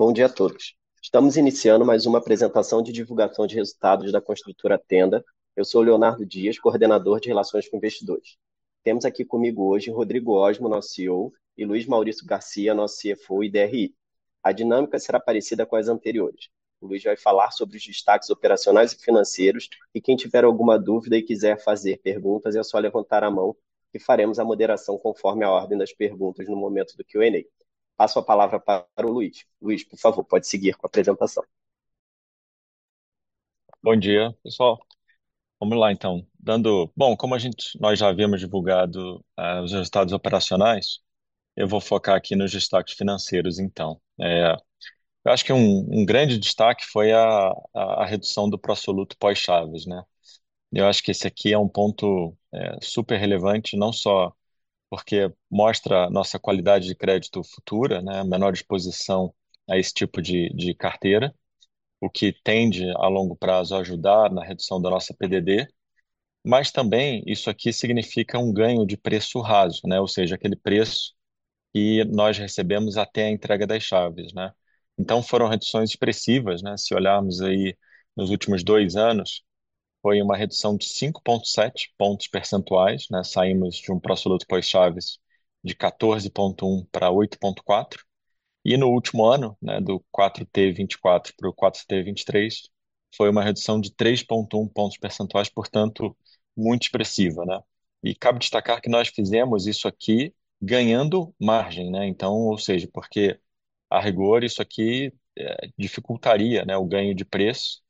Bom dia a todos. Estamos iniciando mais uma apresentação de divulgação de resultados da Construtora Tenda. Eu sou o Leonardo Dias, coordenador de Relações com Investidores. Temos aqui conosco hoje Rodrigo Osmo, nosso CEO, e Luiz Mauricio Garcia, nosso CFO e DRI. A dinâmica será parecida com as anteriores. O Luiz vai falar sobre os destaques operacionais e financeiros, e quem tiver alguma dúvida e quiser fazer perguntas, é só levantar a mão que faremos a moderação conforme a ordem das perguntas no momento do Q&A. Passo a palavra para o Luiz. Luiz, por favor, pode seguir com a apresentação. Bom dia, pessoal. Vamos lá então. Como a gente, nós já havíamos divulgado os resultados operacionais, eu vou focar aqui nos destaques financeiros então. Eu acho que um grande destaque foi a redução do pró-soluto pós-chaves, né? Eu acho que esse aqui é um ponto super-relevante, não só porque mostra nossa qualidade de crédito futura, né, menor exposição a esse tipo de carteira, o que tende a longo prazo a ajudar na redução da nossa PDD, mas também isso aqui significa um ganho de preço raso, né, ou seja, aquele preço que nós recebemos até a entrega das chaves, né. Foram reduções expressivas, né. Se olharmos aí nos últimos 2 anos, foi uma redução de 5.7 pontos percentuais, né. Saímos de um pró-soluto pós-chaves de 14.1%-8.4%. No último ano, do 4T24 pro 4T23, foi uma redução de 3.1 pontos percentuais, portanto, muito expressiva, né? Cabe destacar que nós fizemos isso aqui ganhando margem, né, então, ou seja, porque a rigor, isso aqui dificultaria, né, o ganho de preço,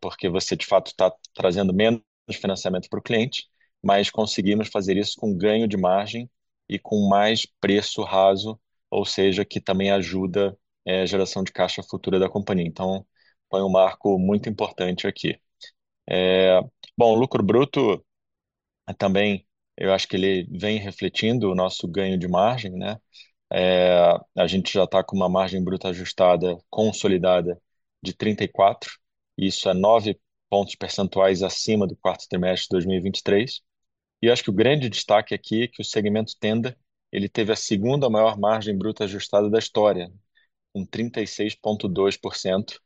porque você, de fato, tá trazendo menos financiamento pro cliente, mas conseguimos fazer isso com ganho de margem e com mais preço raso, ou seja, que também ajuda a geração de caixa futura da companhia. Então foi um marco muito importante aqui. Bom, o lucro bruto, também, eu acho que ele vem refletindo o nosso ganho de margem, né? A gente já tá com uma margem bruta ajustada consolidada de 34%, isso é 9 pontos percentuais acima do quarto trimestre de 2023. Acho que o grande destaque aqui é que o segmento Tenda, ele teve a segunda maior margem bruta ajustada da história, com 36.2%.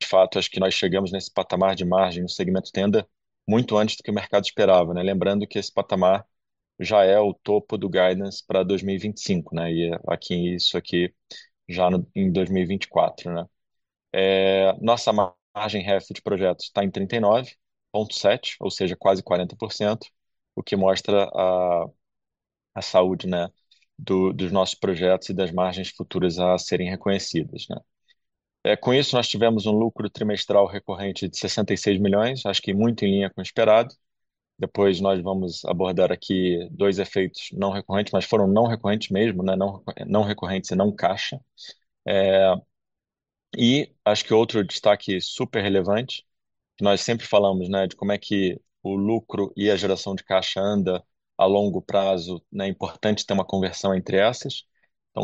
De fato, acho que nós chegamos nesse patamar de margem no segmento Tenda muito antes do que o mercado esperava, né. Lembrando que esse patamar já é o topo do guidance pra 2025, né, e aqui isso já em 2024, né. Nossa margem healthy de projetos tá em 39.7, ou seja, quase 40%, o que mostra a saúde, né, dos nossos projetos e das margens futuras a serem reconhecidas, né. Com isso, nós tivemos um lucro trimestral recorrente de 66 milhões, acho que muito em linha com o esperado. Nós vamos abordar aqui dois efeitos não recorrentes, mas foram não recorrentes mesmo, né, não recorrentes e não caixa. Acho que outro destaque super-relevante, que nós sempre falamos, né, de como é que o lucro e a geração de caixa anda a longo prazo, né, é importante ter uma conversão entre essas.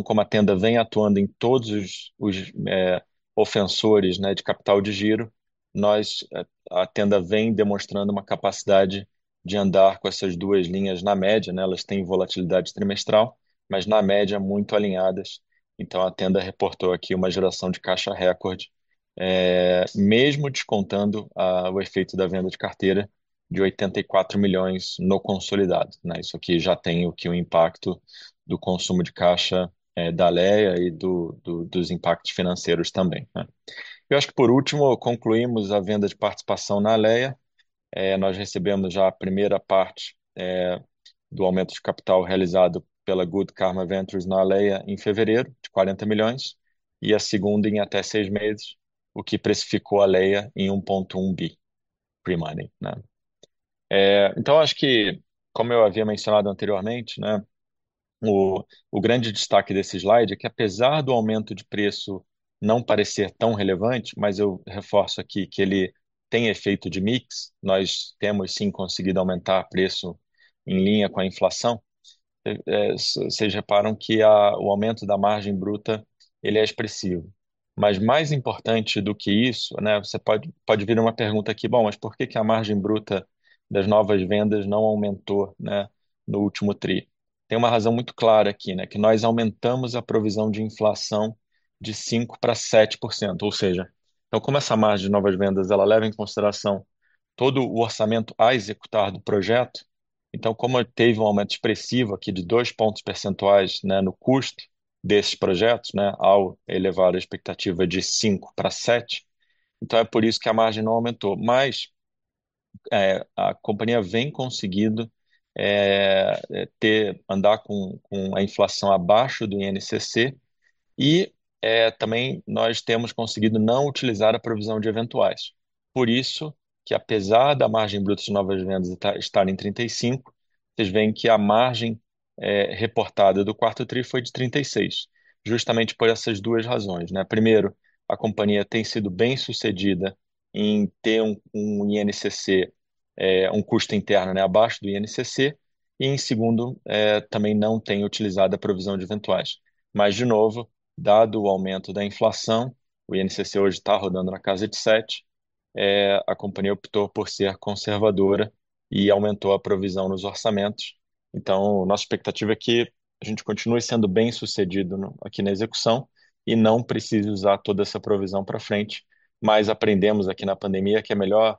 Como a Tenda vem atuando em todos os otimizadores de capital de giro, a Tenda vem demonstrando uma capacidade de andar com essas duas linhas na média, né, elas têm volatilidade trimestral, mas na média muito alinhadas. A Tenda reportou aqui uma geração de caixa recorde, mesmo descontando o efeito da venda de carteira de 84 milhões no consolidado, né. Isso aqui já tem o impacto do consumo de caixa da Alea e dos impactos financeiros também, né. Eu acho que, por último, concluímos a venda de participação na Alea. Nós recebemos já a primeira parte do aumento de capital realizado pela Good Karma Ventures na Alea em fevereiro, de 40 million, e a segunda em até 6 meses, o que precificou a Alea em 1.1 billion pre-money, né. Então acho que, como eu havia mencionado anteriormente, né, o grande destaque desse slide é que apesar do aumento de preço não parecer tão relevante, mas eu reforço aqui que ele tem efeito de mix, nós temos sim conseguido aumentar preço em linha com a inflação. Vocês reparam que o aumento da margem bruta, ele é expressivo. Mais importante do que isso, né, você pode virar uma pergunta aqui: "bom, mas por que que a margem bruta das novas vendas não aumentou, né, no último tri?" Tem uma razão muito clara aqui, né, que nós aumentamos a provisão de inflação de 5 pra 7%, ou seja, então como essa margem de novas vendas ela leva em consideração todo o orçamento a executar do projeto, então como teve um aumento expressivo aqui de 2 pontos percentuais, né, no custo desses projetos, né, ao elevar a expectativa de 5 pra 7, então é por isso que a margem não aumentou. A companhia vem conseguindo andar com a inflação abaixo do INCC, e também nós temos conseguido não utilizar a provisão de eventuais. Por isso, apesar da margem bruta de novas vendas estar em 35%, vocês veem que a margem reportada do 4Q foi de 36%, justamente por essas duas razões. Primeiro, a companhia tem sido bem-sucedida em ter um custo interno abaixo do INCC. Em segundo, também não tem utilizado a provisão de eventuais. Mas, de novo, dado o aumento da inflação, o INCC hoje está rodando na casa de 7%, a companhia optou por ser conservadora e aumentou a provisão nos orçamentos. Nossa expectativa é que a gente continue sendo bem-sucedido na execução e não precise usar toda essa provisão pra frente, mas aprendemos aqui na pandemia que é melhor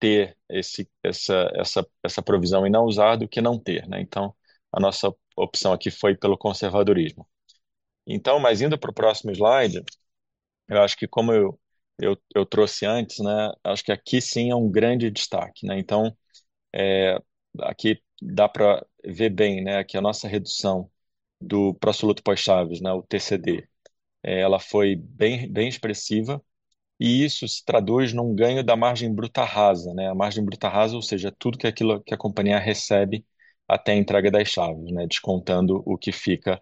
ter essa provisão e não usar do que não ter. A nossa opção aqui foi pelo conservadorismo. Indo pro próximo slide, eu acho que como eu trouxe antes, né, acho que aqui, sim, é um grande destaque, né? Aqui dá pra ver bem, né, que a nossa redução do pró-soluto pós-chaves, né, o TCD, ela foi bem expressiva e isso se traduz num ganho da margem bruta rasa, né? A margem bruta rasa, ou seja, tudo aquilo que a companhia recebe até a entrega das chaves, né, descontando o que fica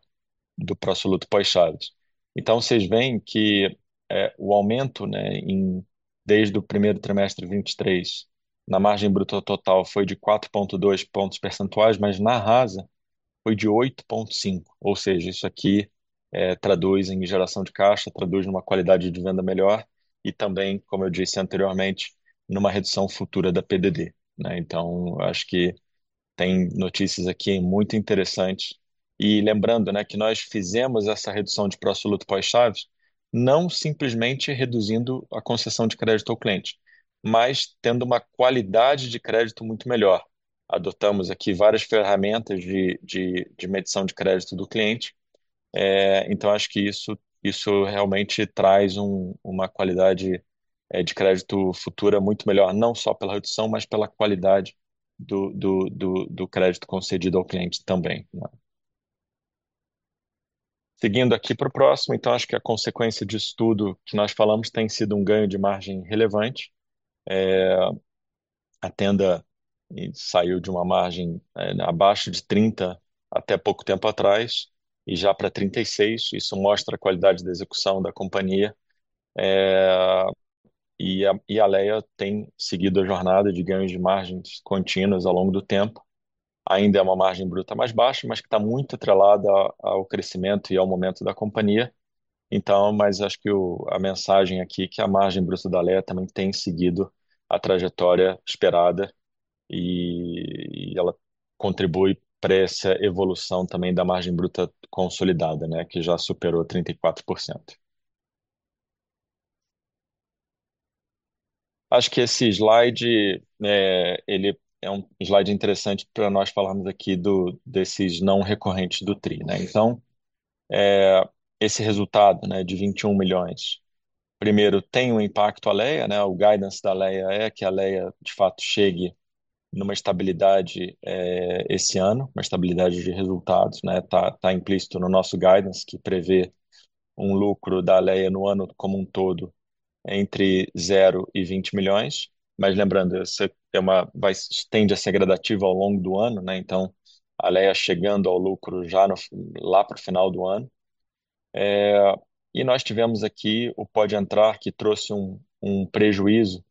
do pró-soluto pós-chaves. Cês veem que o aumento, né, desde o primeiro trimestre de 2023, na margem bruta total foi de 4.2 pontos percentuais, mas na rasa foi de 8.5, ou seja, isso aqui traduz em geração de caixa, traduz numa qualidade de venda melhor e também, como eu disse anteriormente, numa redução futura da PDD, né? Acho que tem notícias aqui muito interessantes. Lembrando, né, que nós fizemos essa redução de pró-soluto pós-chaves, não simplesmente reduzindo a concessão de crédito ao cliente, mas tendo uma qualidade de crédito muito melhor. Adotamos aqui várias ferramentas de medição de crédito do cliente. Então acho que isso realmente traz uma qualidade de crédito futura muito melhor, não só pela redução, mas pela qualidade do crédito concedido ao cliente também, né? Seguindo aqui pro próximo, então acho que a consequência disso tudo que nós falamos tem sido um ganho de margem relevante. A Tenda saiu de uma margem abaixo de 30 até pouco tempo atrás e já pra 36, isso mostra a qualidade da execução da companhia. Alea tem seguido a jornada de ganhos de margens contínuas ao longo do tempo. Ainda é uma margem bruta mais baixa, mas que tá muito atrelada ao crescimento e ao momento da companhia. Mas acho que a mensagem aqui é que a margem bruta da Alea também tem seguido a trajetória esperada e ela contribui pra essa evolução também da margem bruta consolidada, né, que já superou 34%. Acho que esse slide, ele é um slide interessante pra nós falarmos aqui dos não recorrentes do 3T, né? Esse resultado, né, de 21 million, primeiro, tem um impacto à Alea, né? O guidance da Alea é que a Alea de fato chegue numa estabilidade esse ano, uma estabilidade de resultados, né, tá implícito no nosso guidance, que prevê um lucro da Alea no ano como um todo entre 0 and 20 million. Lembrando, essa é se estender a ser gradativa ao longo do ano, né, então a Alea chegando ao lucro já no lá pro final do ano. Nós tivemos aqui o Pode Entrar, que trouxe um prejuízo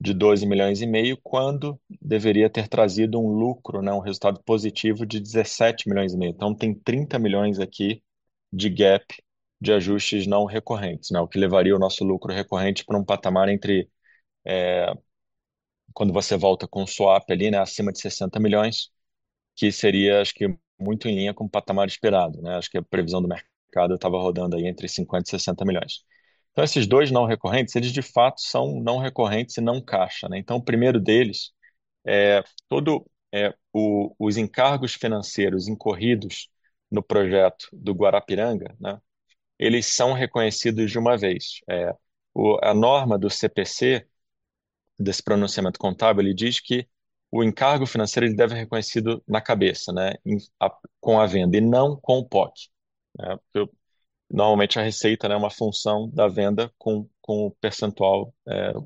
de 12 milhões e meio, quando deveria ter trazido um lucro, né, um resultado positivo de 17 milhões e meio. Então tem 30 milhões aqui de gap de ajustes não recorrentes, né, o que levaria o nosso lucro recorrente pra um patamar, quando você volta com o swap ali, né, acima de 60 milhões, que seria acho que muito em linha com o patamar esperado, né? Acho que a previsão do mercado tava rodando aí entre 50 milhões e 60 milhões. Então esses dois não recorrentes, eles de fato são não recorrentes e não caixa, né? O primeiro deles é todos os encargos financeiros incorridos no projeto do Guarapiranga, eles são reconhecidos de uma vez. A norma do CPC, desse pronunciamento contábil, ele diz que o encargo financeiro deve ser reconhecido na cabeça com a venda e não com o POC. Porque normalmente a receita é uma função da venda com o percentual,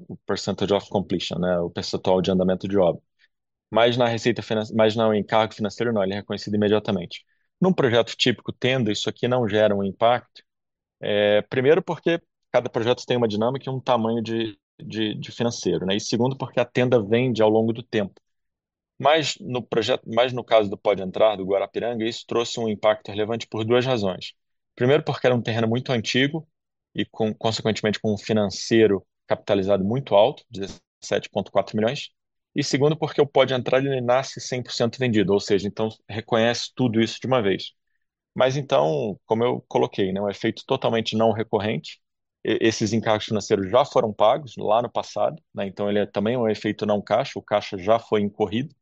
o percentage of completion, o percentual de andamento de obra. Mas o encargo financeiro não, ele é reconhecido imediatamente. Num projeto típico Tenda, isso aqui não gera um impacto. Primeiro porque cada projeto tem uma dinâmica e um tamanho de financiamento. E segundo, porque a Tenda vende ao longo do tempo. Mas no caso do Pode Entrar, do Guarapiranga, isso trouxe um impacto relevante por duas razões. Primeiro, porque era um terreno muito antigo e consequentemente, com um financiamento capitalizado muito alto, 17.4 million. Segundo, porque o Pode Entrar, ele nasce 100% vendido, ou seja, então reconhece tudo isso de uma vez. Então, como eu coloquei, né, um efeito totalmente não recorrente. Esses encargos financeiros já foram pagos lá no passado, né, então ele é também um efeito não caixa, o caixa já foi incorrido.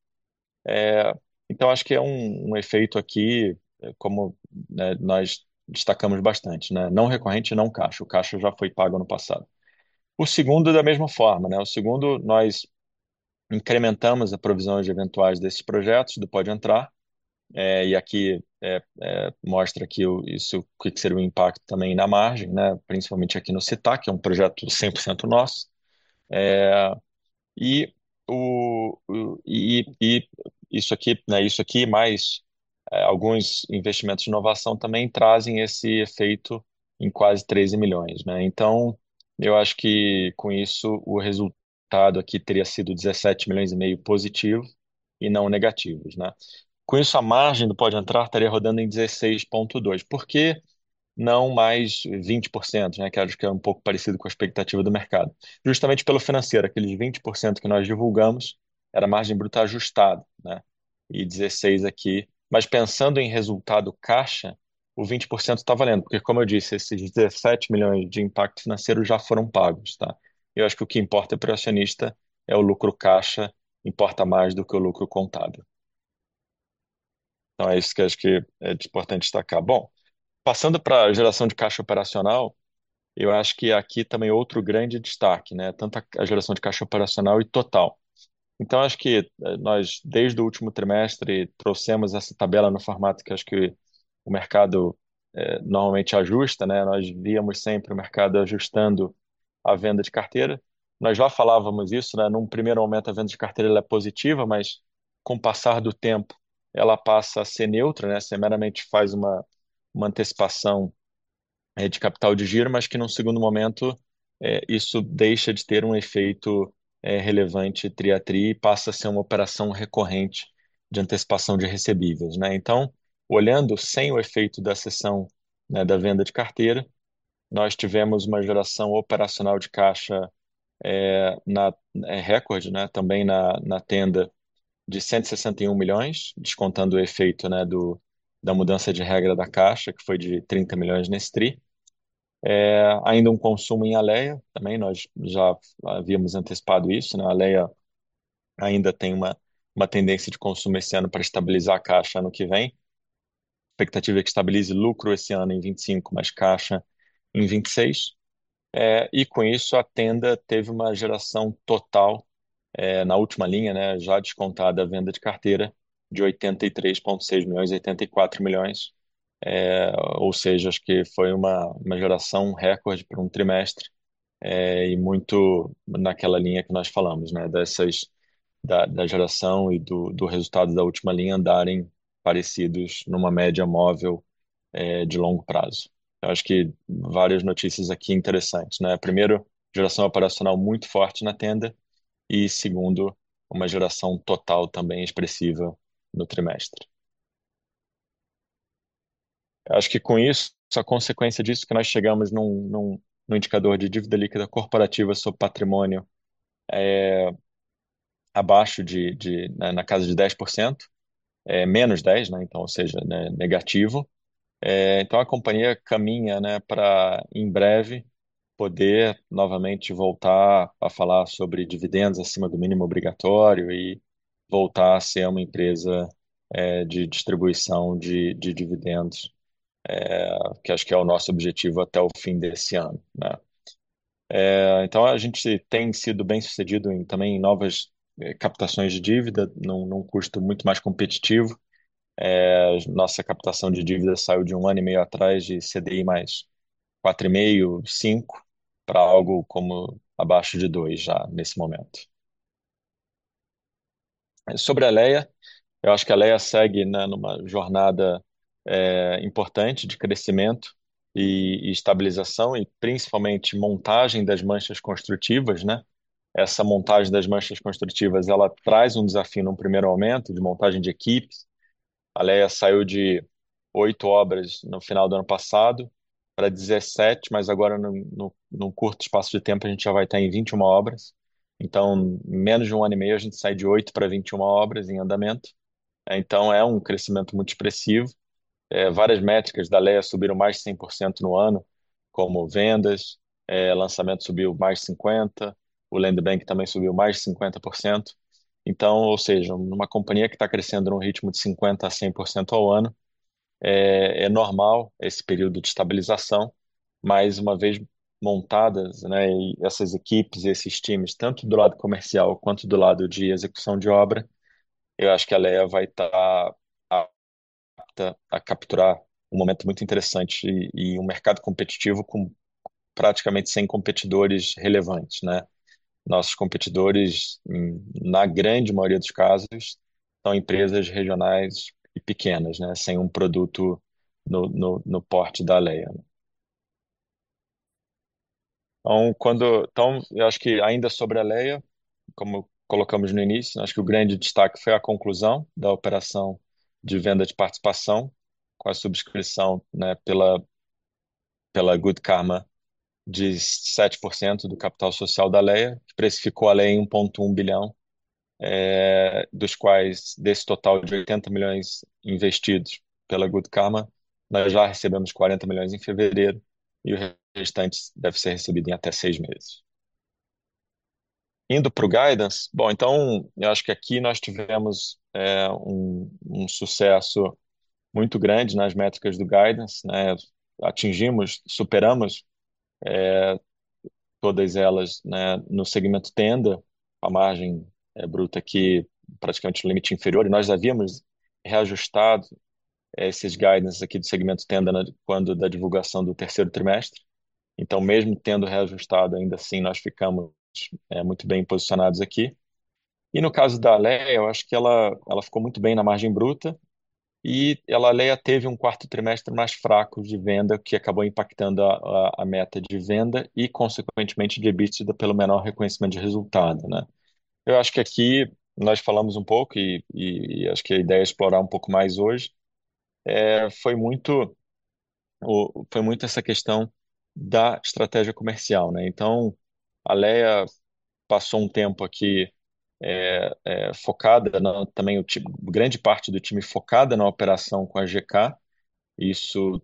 Então acho que é um efeito aqui, como, né, nós destacamos bastante, né? Não recorrente, não caixa. O caixa já foi pago ano passado. Segundo, da mesma forma, né? Nós incrementamos a provisão de eventuais desses projetos, do Pode Entrar. E aqui mostra aqui o que seria o impacto também na margem, né, principalmente aqui no CITAC, que é um projeto 100% nosso. Isso aqui mais alguns investimentos de inovação também trazem esse efeito em quase 13 million, né? Então, eu acho que com isso o resultado aqui teria sido 17.5 million positivo e não negativo, né? Com isso, a margem do Pode Entrar estaria rodando em 16.2%, por que não mais 20%, né, que acho que é um pouco parecido com a expectativa do mercado. Justamente pelo financeiro, aqueles 20% que nós divulgamos era a margem bruta ajustada, né? E 16% aqui. Mas pensando em resultado caixa, o 20% tá valendo, porque como eu disse, esses 17 million de impacto financeiro já foram pagos, tá? Eu acho que o que importa pro acionista é o lucro caixa, importa mais do que o lucro contado. Então é isso que acho que é importante destacar. Bom, passando pra geração de caixa operacional, eu acho que aqui também outro grande destaque, né, tanto a geração de caixa operacional e total. Então acho que nós, desde o último trimestre, trouxemos essa tabela no formato que acho que o mercado normalmente ajusta, né. Nós víamos sempre o mercado ajustando a venda de carteira. Nós já falávamos isso, né. Num primeiro momento, a venda de carteira ela é positiva, mas com o passar do tempo, ela passa a ser neutra, né. Meramente faz uma antecipação de capital de giro, mas que num segundo momento, isso deixa de ter um efeito relevante tri a tri e passa a ser uma operação recorrente de antecipação de recebíveis, né. Olhando sem o efeito da sessão, né, da venda de carteira, nós tivemos uma geração operacional de caixa, record, né, também na Tenda de 161 million, descontando o efeito, né, da mudança de regra da caixa, que foi de 30 million nesse tri. Ainda um consumo em Alea também, nós já havíamos antecipado isso, né, Alea ainda tem uma tendência de consumo esse ano pra estabilizar a caixa ano que vem. Expectativa é que estabilize lucro esse ano em 2025, mas caixa em 2026. E com isso, a Tenda teve uma geração total, na última linha, né, já descontada a venda de carteira de 83.6 million, 84 million. Ou seja, acho que foi uma geração recorde para um trimestre, e muito naquela linha que nós falamos, da geração e do resultado da última linha andarem parecidos numa média móvel de longo prazo. Acho que várias notícias aqui interessantes. Primeiro, geração operacional muito forte na Tenda e segundo, uma geração total também expressiva no trimestre. Acho que com isso, a consequência disso que nós chegamos num indicador de dívida líquida corporativa sobre patrimônio abaixo de na casa de 10%, menos 10%, negativo. Então a companhia caminha para em breve poder novamente voltar a falar sobre dividendos acima do mínimo obrigatório e voltar a ser uma empresa de distribuição de dividendos, que acho que é o nosso objetivo até o fim desse ano. A gente tem sido bem-sucedido em também novas captações de dívida, em um custo muito mais competitivo. Nossa captação de dívida saiu de 1 ano e meio atrás de CDI mais 4.5, pra algo como abaixo de 2 já nesse momento. Sobre a Alea, eu acho que a Alea segue numa jornada importante de crescimento e estabilização e principalmente montagem das manchas construtivas. Essa montagem das manchas construtivas, ela traz um desafio em um primeiro momento, de montagem de equipes. Alea saiu de 8 obras no final do ano passado pra 17, mas agora em um curto espaço de tempo, a gente já vai tá em 21 obras. Menos de 1 ano e meio, a gente sai de 8 pra 21 obras em andamento. É um crescimento muito expressivo. Várias métricas da Alea subiram mais de 100% no ano, como vendas, lançamento subiu mais de 50%, o land bank também subiu mais de 50%. Então, ou seja, numa companhia que tá crescendo num ritmo de 50%-100% ao ano, é normal esse período de estabilização, mas uma vez montadas, né, essas equipes, esses times, tanto do lado comercial quanto do lado de execução de obra, eu acho que a Alea vai tá apta a capturar um momento muito interessante e um mercado competitivo com praticamente sem competidores relevantes, né? Nossos competidores, na grande maioria dos casos, são empresas regionais e pequenas, né? Sem um produto no porte da Alea. Eu acho que ainda sobre a Alea, como colocamos no início, acho que o grande destaque foi a conclusão da operação de venda de participação, com a subscrição pela Good Karma, de 7% do capital social da Alea, que precificou a Alea em 1.1 billion, dos quais desse total de 80 million investidos pela Good Karma, nós já recebemos 40 million em fevereiro e o restante deve ser recebido em até 6 meses. Indo pro Guidance, eu acho que aqui nós tivemos um sucesso muito grande nas métricas do Guidance. Atingimos, superamos todas elas no segmento Tenda, a margem bruta aqui praticamente o limite inferior, e nós havíamos reajustado esses Guidances aqui do segmento Tenda quando da divulgação do terceiro trimestre. Mesmo tendo reajustado, ainda assim nós ficamos muito bem posicionados aqui. No caso da Alea, eu acho que ela ficou muito bem na margem bruta e a Alea teve um quarto trimestre mais fraco de venda, que acabou impactando a meta de venda e consequentemente de EBITDA pelo menor reconhecimento de resultado, né? Eu acho que aqui nós falamos um pouco e acho que a ideia é explorar um pouco mais hoje. Foi muito essa questão da estratégia comercial, né. Alea passou um tempo aqui, também o time, grande parte do time focada na operação com a GK, isso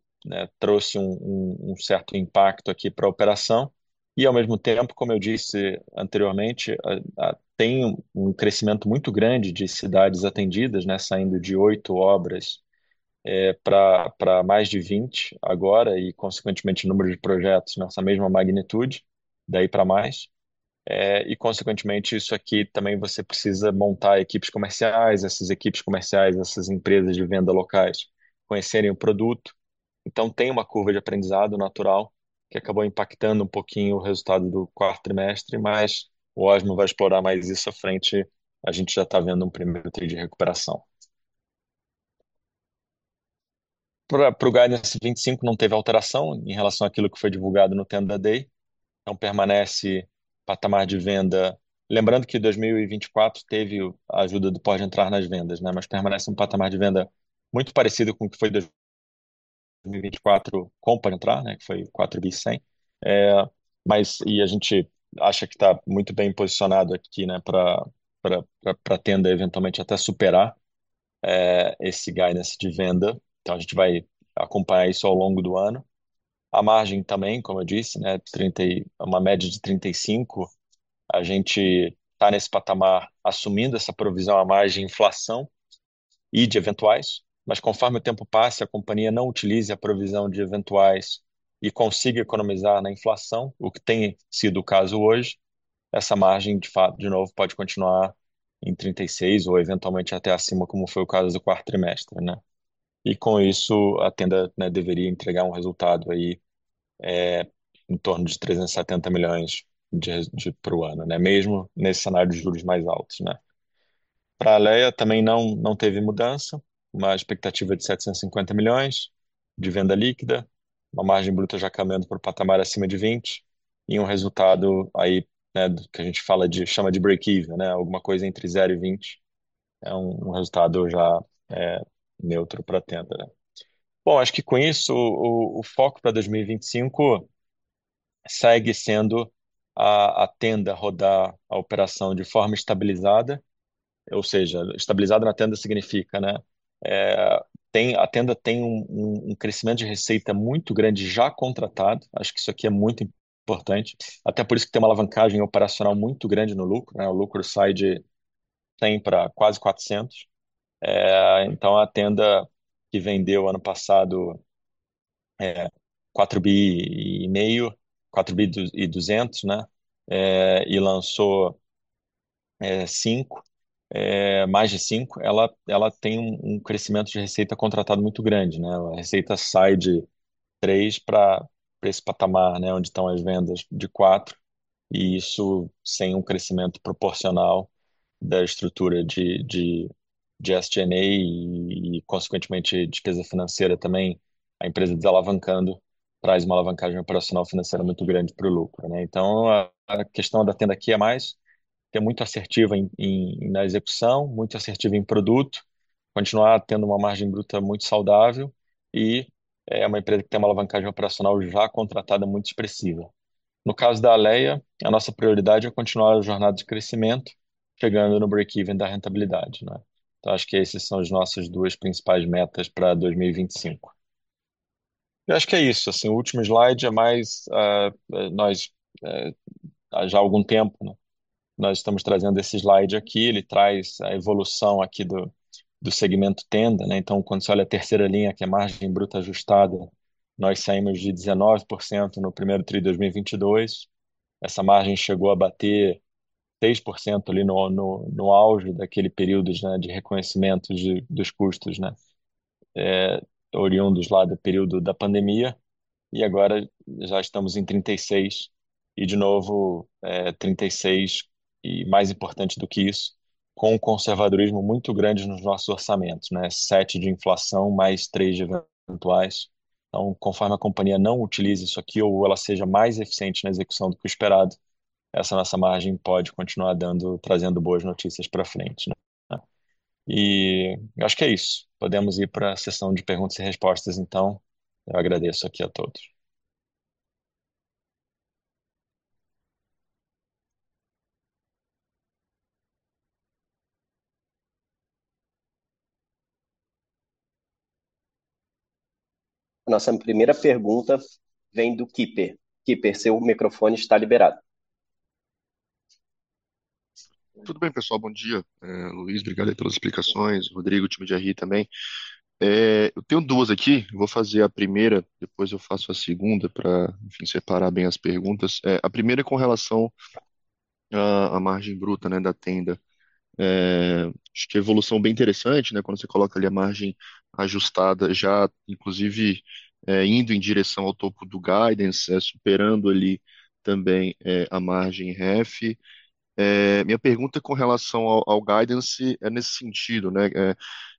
trouxe um certo impacto aqui pra operação e, ao mesmo tempo, como eu disse anteriormente, tem um crescimento muito grande de cidades atendidas, saindo de 8 obras pra mais de 20 agora e, consequentemente, o número de projetos nessa mesma magnitude, daí pra mais. Consequentemente isso aqui também você precisa montar equipes comerciais, essas empresas de venda locais conhecerem o produto. Tem uma curva de aprendizado natural que acabou impactando um pouquinho o resultado do quarto trimestre, mas o Osmo vai explorar mais isso à frente, a gente já tá vendo um primeiro tri de recuperação. O guidance de 2025 não teve alteração em relação àquilo que foi divulgado no Tenda Day, então permanece patamar de venda, lembrando que 2024 teve a ajuda do Pode Entrar nas vendas, né, mas permanece um patamar de venda muito parecido com o que foi 2024 com o Pode Entrar, né, que foi 4.1 billion. Mas e a gente acha que tá muito bem posicionado aqui, né, pra Tenda eventualmente até superar esse guidance de venda. Então a gente vai acompanhar isso ao longo do ano. A margem também, como eu disse, né, uma média de 35%, a gente tá nesse patamar assumindo essa provisão à margem de inflação e de eventuais, mas conforme o tempo passe, a companhia não utilize a provisão de eventuais e consiga economizar na inflação, o que tem sido o caso hoje, essa margem, de fato, de novo, pode continuar em 36% ou eventualmente até acima, como foi o caso do quarto trimestre, né. Com isso, a Tenda, né, deveria entregar um resultado aí em torno de 370 milhões de reais pro ano, né, mesmo nesse cenário de juros mais altos, né. Para Alea também não teve mudança, uma expectativa de 750 milhões de venda líquida, uma margem bruta já caminhando pro patamar acima de 21% resultado aí, né, que a gente fala de, chama de break-even, né, alguma coisa entre 0% e 20%, é um resultado já neutro pra Tenda, né. Bom, acho que com isso, o foco pra 2025 segue sendo a Tenda rodar a operação de forma estabilizada, ou seja, estabilizada na Tenda significa, né, a Tenda tem um crescimento de receita muito grande já contratado, acho que isso aqui é muito importante, até por isso que tem uma alavancagem operacional muito grande no lucro, né, o lucro tem pra quase 400 milhões. A Tenda, que vendeu ano passado 4.2 billion, né, e lançou mais de 5 billion, ela tem um crescimento de receita contratado muito grande, né. A receita sai de 3 billion pra esse patamar, né, onde tão as vendas de 4 billion, e isso sem um crescimento proporcional da estrutura de SG&A e, consequentemente, despesa financeira também. A empresa desalavancando traz uma alavancagem operacional financeira muito grande pro lucro, né. A questão da Tenda aqui é mais ter muito assertivo na execução, muito assertivo em produto, continuar tendo uma margem bruta muito saudável e é uma empresa que tem uma alavancagem operacional já contratada muito expressiva. No caso da Alea, a nossa prioridade é continuar a jornada de crescimento, chegando no break-even da rentabilidade, né. Acho que esses são as nossas duas principais metas pra 2025. Eu acho que é isso, o último slide, há já algum tempo, nós estamos trazendo esse slide aqui, ele traz a evolução aqui do segmento Tenda. Quando cê olha a terceira linha, que é a margem bruta ajustada, nós saímos de 19% no primeiro tri de 2022. Essa margem chegou a bater 3% ali no auge daquele período de reconhecimento dos custos oriundos lá do período da pandemia e agora já estamos em 36%, de novo, 36%, mais importante do que isso, com um conservadorismo muito grande nos nossos orçamentos, 7% de inflação mais 3% de eventuais. Conforme a companhia não utilize isso aqui ou ela seja mais eficiente na execução do que o esperado, essa nossa margem pode continuar dando, trazendo boas notícias pra frente, né. Acho que é isso. Podemos ir pra sessão de perguntas e respostas então. Eu agradeço aqui a todos. A nossa primeira pergunta vem do Ygor Altero. Ygor Altero, seu microfone está liberado. Tudo bem pessoal, bom dia. Luiz, obrigado aí pelas explicações, Rodrigo, time de RI também. Eu tenho duas aqui, vou fazer a primeira, depois eu faço a segunda para, enfim, separar bem as perguntas. A primeira é com relação à margem bruta, né, da Tenda. Acho que evolução bem interessante, né, quando cê coloca ali a margem ajustada já, inclusive, indo em direção ao topo do guidance, superando ali também, a margem REF. Minha pergunta com relação ao guidance é nesse sentido, né?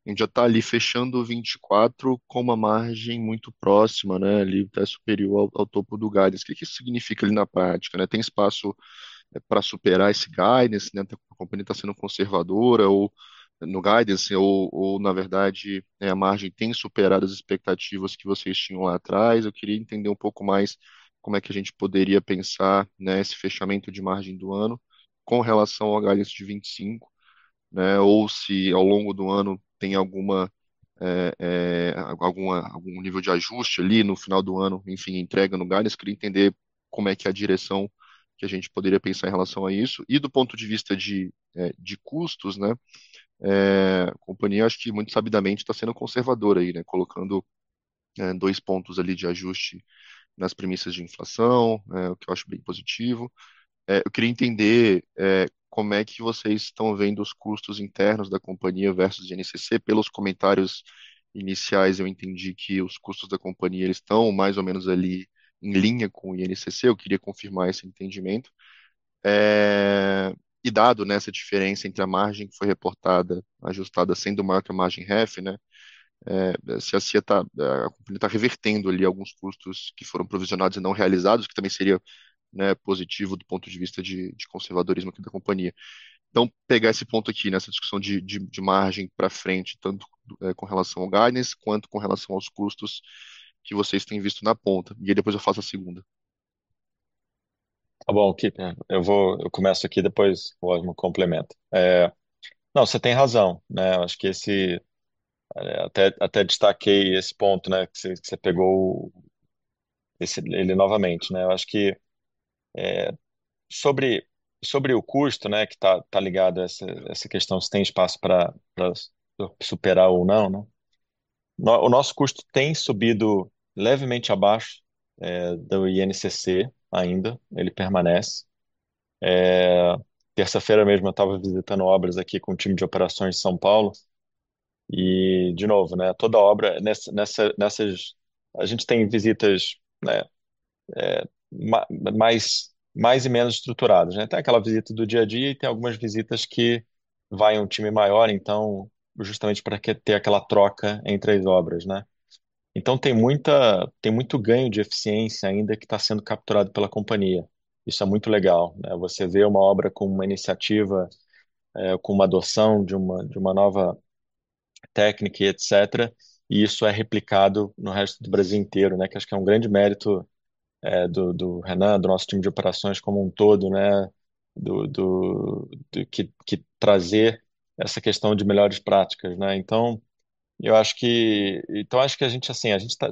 A gente já tá ali fechando 2024 com uma margem muito próxima, né, ali até superior ao topo do guidance. O que que isso significa ali na prática, né? Tem espaço pra superar esse guidance, né? A companhia tá sendo conservadora no guidance ou na verdade a margem tem superado as expectativas que vocês tinham lá atrás? Eu queria entender um pouco mais como é que a gente poderia pensar, né, esse fechamento de margem do ano com relação ao guidance de 2025, né? Ou se ao longo do ano tem algum nível de ajuste ali no final do ano, enfim, entrega no guidance. Queria entender como é que é a direção que a gente poderia pensar em relação a isso. Do ponto de vista de custos, a companhia acho que muito sabidamente tá sendo conservadora aí, colocando dois pontos ali de ajuste nas premissas de inflação, o que eu acho bem positivo. Eu queria entender como é que vocês tão vendo os custos internos da companhia versus INCC. Pelos comentários iniciais, eu entendi que os custos da companhia estão mais ou menos ali em linha com o INCC. Eu queria confirmar esse entendimento. Dado essa diferença entre a margem que foi reportada, ajustada sendo maior que a margem REF, se a cia tá, a companhia tá revertendo ali alguns custos que foram provisionados e não realizados, o que também seria positivo do ponto de vista de conservadorismo aqui da companhia. Pegar esse ponto aqui nessa discussão de margem pra frente, tanto com relação ao guidance quanto com relação aos custos que vocês têm visto na ponta. Aí depois eu faço a segunda. Tá bom, Ygor Altero. Eu vou, eu começo aqui, depois o Rodrigo Osmo complementa. Não, cê tem razão, né? Eu acho que esse até destaquei esse ponto, né, que cê pegou esse ele novamente, né? Eu acho que sobre o custo, né, que tá ligado a essa questão, se tem espaço pra superar ou não, né? O nosso custo tem subido levemente abaixo do INCC ainda, ele permanece. Terça-feira mesmo eu tava visitando obras aqui com o time de operações de São Paulo e de novo, né, toda obra nessas a gente tem visitas, né, mais e menos estruturadas, né? Tem aquela visita do dia a dia e tem algumas visitas que vai um time maior, então justamente pra ter aquela troca entre as obras, né? Tem muito ganho de eficiência ainda que tá sendo capturado pela companhia. Isso é muito legal, né? Você vê uma obra com uma iniciativa, com uma adoção de uma nova técnica e etc. Isso é replicado no resto do Brasil inteiro, né? Que eu acho que é um grande mérito do Renan, do nosso time de operações como um todo, né, que trazer essa questão de melhores práticas, né? Eu acho que a gente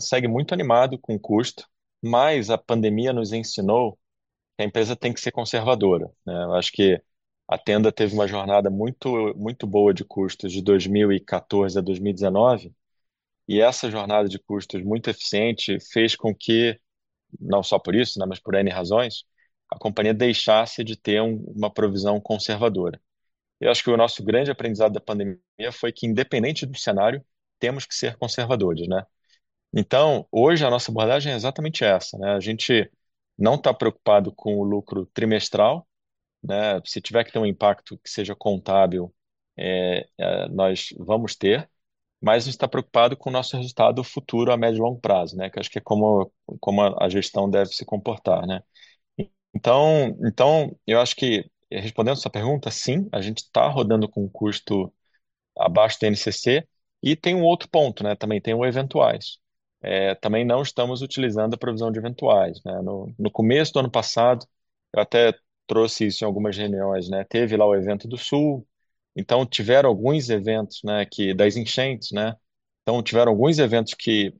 segue muito animado com o custo, mas a pandemia nos ensinou que a empresa tem que ser conservadora, né? Eu acho que a Tenda teve uma jornada muito boa de custos de 2014 a 2019, e essa jornada de custos muito eficiente fez com que, não só por isso, né, mas por N razões, a companhia deixasse de ter uma provisão conservadora. Eu acho que o nosso grande aprendizado da pandemia foi que independente do cenário, temos que ser conservadores, né? Então hoje a nossa abordagem é exatamente essa, né? A gente não tá preocupado com o lucro trimestral, né? Se tiver que ter um impacto que seja contábil, é, nós vamos ter, mas a gente tá preocupado com o nosso resultado futuro a médio e longo prazo, né? Que eu acho que é como a gestão deve se comportar, né? Então eu acho que respondendo sua pergunta, sim, a gente tá rodando com custo abaixo do INCC. Tem um outro ponto, né, também tem o eventuais. Também não estamos utilizando a provisão de eventuais, né? No começo do ano passado, eu até trouxe isso em algumas reuniões, né? Teve lá o evento do Sul, então tiveram alguns eventos, né, das enchentes, né? Então tiveram alguns eventos que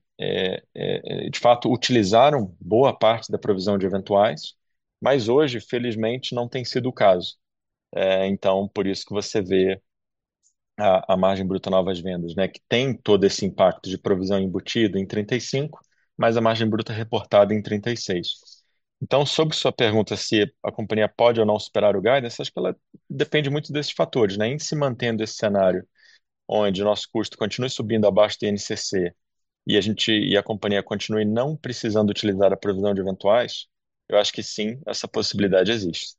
de fato utilizaram boa parte da provisão de eventuais, mas hoje, felizmente, não tem sido o caso. Então por isso que você vê a margem bruta novas vendas, né, que tem todo esse impacto de provisão embutida em 35%, mas a margem bruta reportada em 36%. Sob sua pergunta se a companhia pode ou não superar o guidance, acho que ela depende muito desses fatores, né? Em se mantendo esse cenário onde o nosso custo continue subindo abaixo do INCC e a companhia continue não precisando utilizar a provisão de eventuais, eu acho que sim, essa possibilidade existe,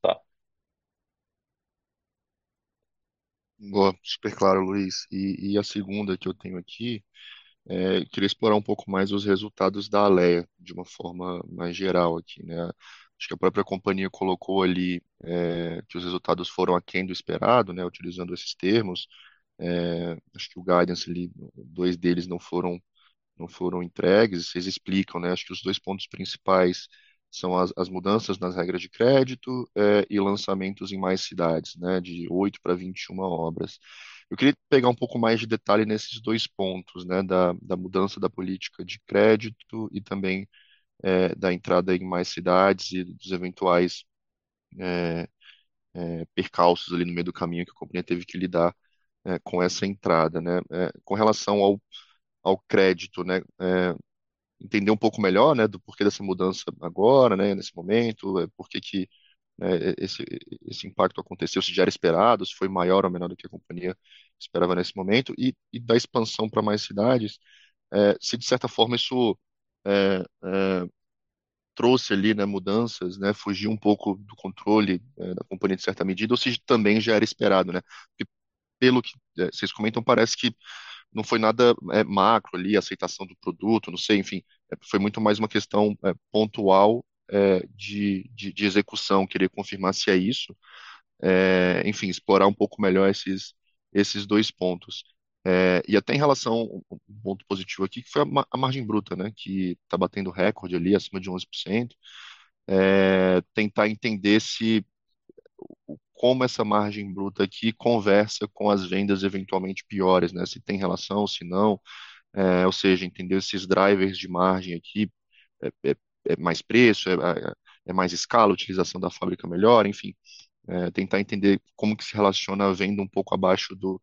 tá? Boa, super claro, Luiz. A segunda que eu tenho aqui queria explorar um pouco mais os resultados da Alea de uma forma mais geral aqui, né? Acho que a própria companhia colocou ali que os resultados foram aquém do esperado, né, utilizando esses termos. Acho que o guidance ali, 2 deles não foram entregues. Vocês explicam, né, acho que os 2 pontos principais são as mudanças nas regras de crédito e lançamentos em mais cidades, né? De 8 para 21 obras. Eu queria pegar um pouco mais de detalhe nesses 2 pontos, né, da mudança da política de crédito e também da entrada em mais cidades e dos eventuais percalços ali no meio do caminho que a companhia teve que lidar com essa entrada, né? Com relação ao crédito, entender um pouco melhor do porquê dessa mudança agora, nesse momento, por que esse impacto aconteceu, se já era esperado, se foi maior ou menor do que a companhia esperava nesse momento e da expansão pra mais cidades, se de certa forma isso trouxe ali mudanças, fugiu um pouco do controle da companhia em certa medida, ou se também já era esperado? Pelo que vocês comentam, parece que não foi nada macro ali, aceitação do produto, não sei, enfim, foi muito mais uma questão pontual de execução. Queria confirmar se é isso. Enfim, explorar um pouco melhor esses dois pontos. Até em relação ao ponto positivo aqui, que foi a margem bruta, né, que tá batendo recorde ali acima de 11%. Tentar entender como essa margem bruta aqui conversa com as vendas eventualmente piores, né? Se tem relação, se não. Ou seja, entender esses drivers de margem aqui. É mais preço, é mais escala, utilização da fábrica melhor, enfim, tentar entender como que se relaciona a venda um pouco abaixo do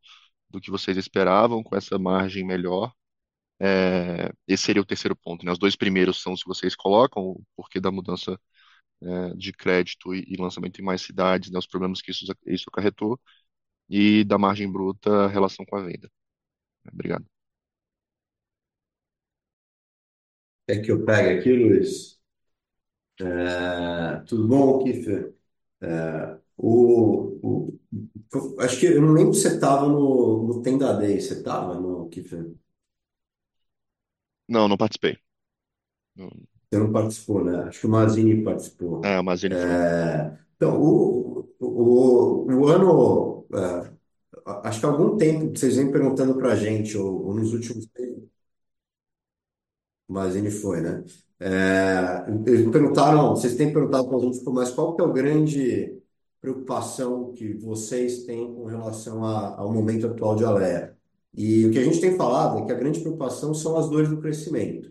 que vocês esperavam com essa margem melhor. Esse seria o terceiro ponto, né? Os dois primeiros são os que vocês colocam, o porquê da mudança de crédito e lançamento em mais cidades, né, os problemas que isso acarretou e da margem bruta, a relação com a venda. Obrigado. Quer que eu pegue aqui, Luiz? Tudo bom, Kiffer? Acho que eu não lembro se cê tava no Tenda Day. Cê tava, não, Kiffer? Não, não participei. Cê não participou, né? Acho que o Mazini participou. O Mazini foi. Então o ano acho que há algum tempo vocês vêm perguntando pra gente. Mazini foi, né? Eles me perguntaram, vocês têm perguntado pra gente, tipo, "Mas qual que é o grande preocupação que vocês têm com relação ao momento atual de Alea?" O que a gente tem falado é que a grande preocupação são as dores do crescimento.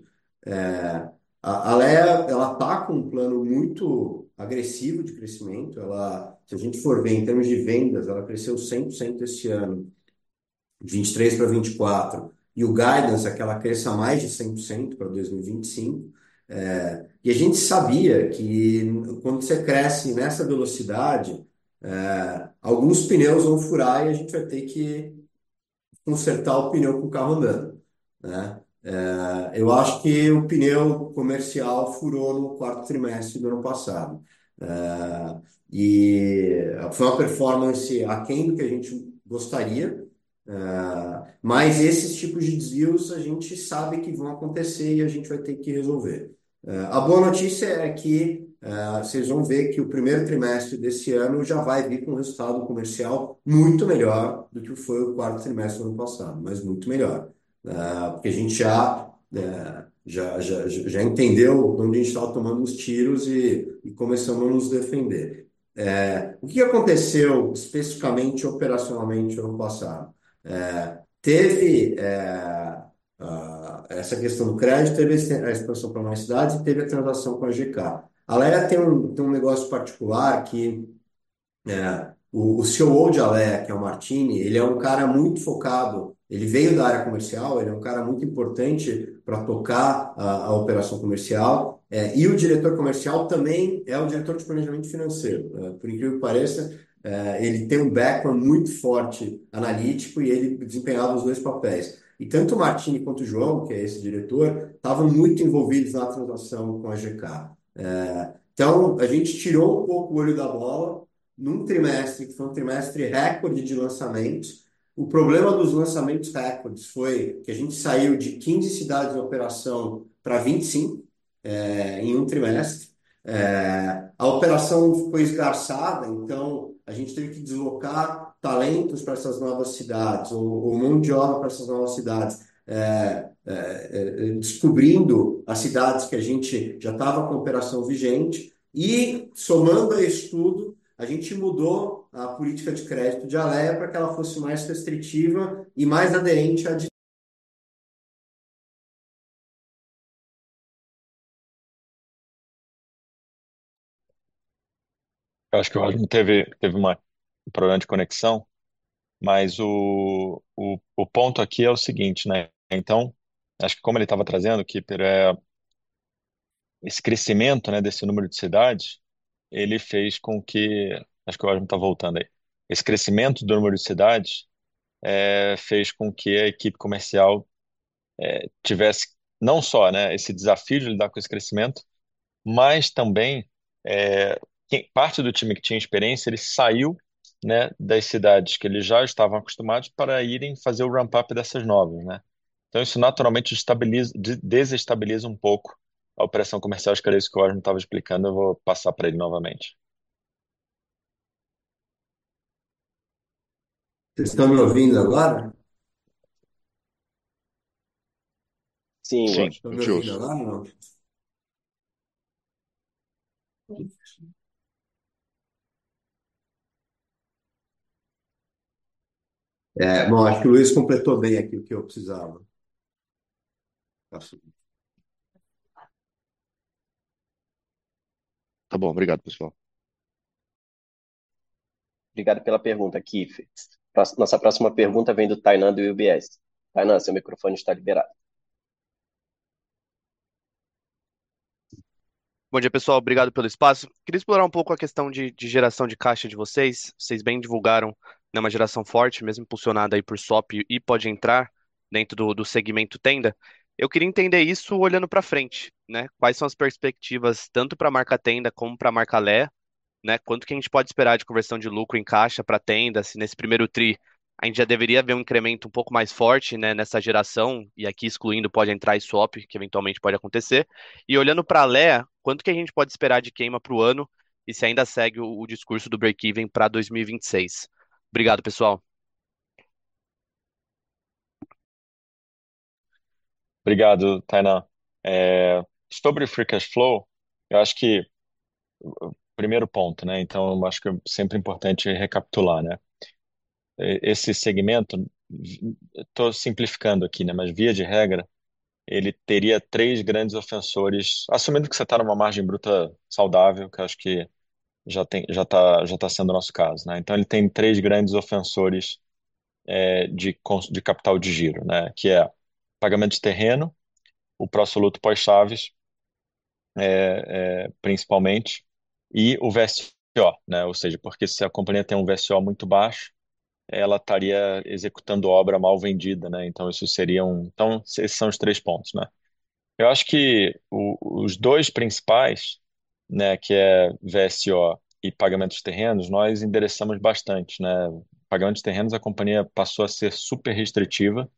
A Alea, ela tá com um plano muito agressivo de crescimento. Ela, se a gente for ver em termos de vendas, ela cresceu 100% esse ano, de 2023 pra 2024, e o guidance é que ela cresça mais de 100% pra 2025. A gente sabia que quando cê cresce nessa velocidade, alguns pneus vão furar e a gente vai ter que consertar o pneu com o carro andando, né? Eu acho que o pneu comercial furou no quarto trimestre do ano passado. Foi uma performance aquém do que a gente gostaria, mas esses tipos de desvios a gente sabe que vão acontecer e a gente vai ter que resolver. A boa notícia é que cês vão ver que o primeiro trimestre desse ano já vai vir com resultado comercial muito melhor do que foi o quarto trimestre do ano passado, mas muito melhor, né? Porque a gente já entendeu onde a gente tava tomando os tiros e começamos a nos defender. O que aconteceu especificamente operacionalmente o ano passado? Teve essa questão do crédito, teve essa expansão pra mais cidades e teve a transação com a GK. Alea tem um negócio particular que o CEO de Alea, que é o Martini, ele é um cara muito focado. Ele veio da área comercial, ele é um cara muito importante pra tocar a operação comercial, e o diretor comercial também é o diretor de planejamento financeiro. Por incrível que pareça, ele tem um background muito forte analítico e ele desempenhava os dois papéis. Tanto o Martini quanto o João, que é esse diretor, tavam muito envolvidos na transação com a GK. Então a gente tirou um pouco o olho da bola num trimestre, que foi um trimestre recorde de lançamentos. O problema dos lançamentos recordes foi que a gente saiu de 15 cidades de operação pra 25 em um trimestre. a operação ficou esgarçada, então a gente teve que deslocar talentos pra essas novas cidades ou mão de obra pra essas novas cidades, descobrindo as cidades que a gente já tava com operação vigente e somando a isso tudo, a gente mudou a política de crédito de Alea pra que ela fosse mais restritiva e mais aderente à de- Acho que o Rodrigo Osmo teve um problema de conexão, mas o ponto aqui é o seguinte, né. Acho que como ele tava trazendo, Kiffer, esse crescimento, né, desse número de cidades, ele fez com que a equipe comercial tivesse não só, né, esse desafio de lidar com esse crescimento, mas também, parte do time que tinha experiência, ele saiu, né, das cidades que eles já estavam acostumados para irem fazer o ramp up dessas novas, né. Acho que o Rodrigo Osmo tá voltando aí. Esse crescimento do número de cidades fez com que a equipe comercial tivesse não só, né, esse desafio de lidar com esse crescimento, mas também, parte do time que tinha experiência, ele saiu, né, das cidades que eles já estavam acostumados para irem fazer o ramp up dessas novas, né. Isso naturalmente desestabiliza um pouco a operação comercial, acho que era isso que o Rodrigo Osmo tava explicando. Eu vou passar pra ele novamente. Cês tão me ouvindo agora? Sim. Te ouço. Tão me ouvindo agora ou não? É, bom, acho que o Luiz completou bem aqui o que eu precisava. Tá suave. Tá bom, obrigado, pessoal. Obrigado pela pergunta, Kipper. Nossa próxima pergunta vem do Tainando, do UBS. Tainando, seu microfone está liberado. Bom dia, pessoal, obrigado pelo espaço. Queria explorar um pouco a questão de geração de caixa de vocês. Cês bem divulgaram, né, uma geração forte, mesmo impulsionada aí por swap e "Pode Entrar". Dentro do segmento Tenda, eu queria entender isso olhando pra frente, né? Quais são as perspectivas tanto pra marca Tenda como pra marca Alea, né? Quanto que a gente pode esperar de conversão de lucro em caixa pra Tenda, se nesse primeiro tri a gente já deveria ver um incremento um pouco mais forte, né, nessa geração, e aqui excluindo o Pode Entrar e Swap, que eventualmente pode acontecer. Olhando pra Alea, quanto que a gente pode esperar de queima pro ano e se ainda segue o discurso do break-even pra 2026? Obrigado, pessoal. Obrigado, Tainã. Sobre o free cash flow, eu acho que primeiro ponto, né, então eu acho que é sempre importante recapitular, né. Esse segmento, eu tô simplificando aqui, né, mas via de regra, ele teria três grandes ofensores, assumindo que cê tá numa margem bruta saudável, que eu acho que já tá sendo o nosso caso, né. Então ele tem três grandes ofensores, de capital de giro, né, que é pagamento de terreno, o pró-soluto pós-chaves, principalmente, e o VSO, né, ou seja, porque se a companhia tem um VSO muito baixo, ela taria executando obra mal vendida, né, então esses são os três pontos, né. Eu acho que os dois principais, né, que é VSO e pagamentos de terrenos, nós endereçamos bastante, né. Pagamento de terrenos, a companhia passou a ser superrestritiva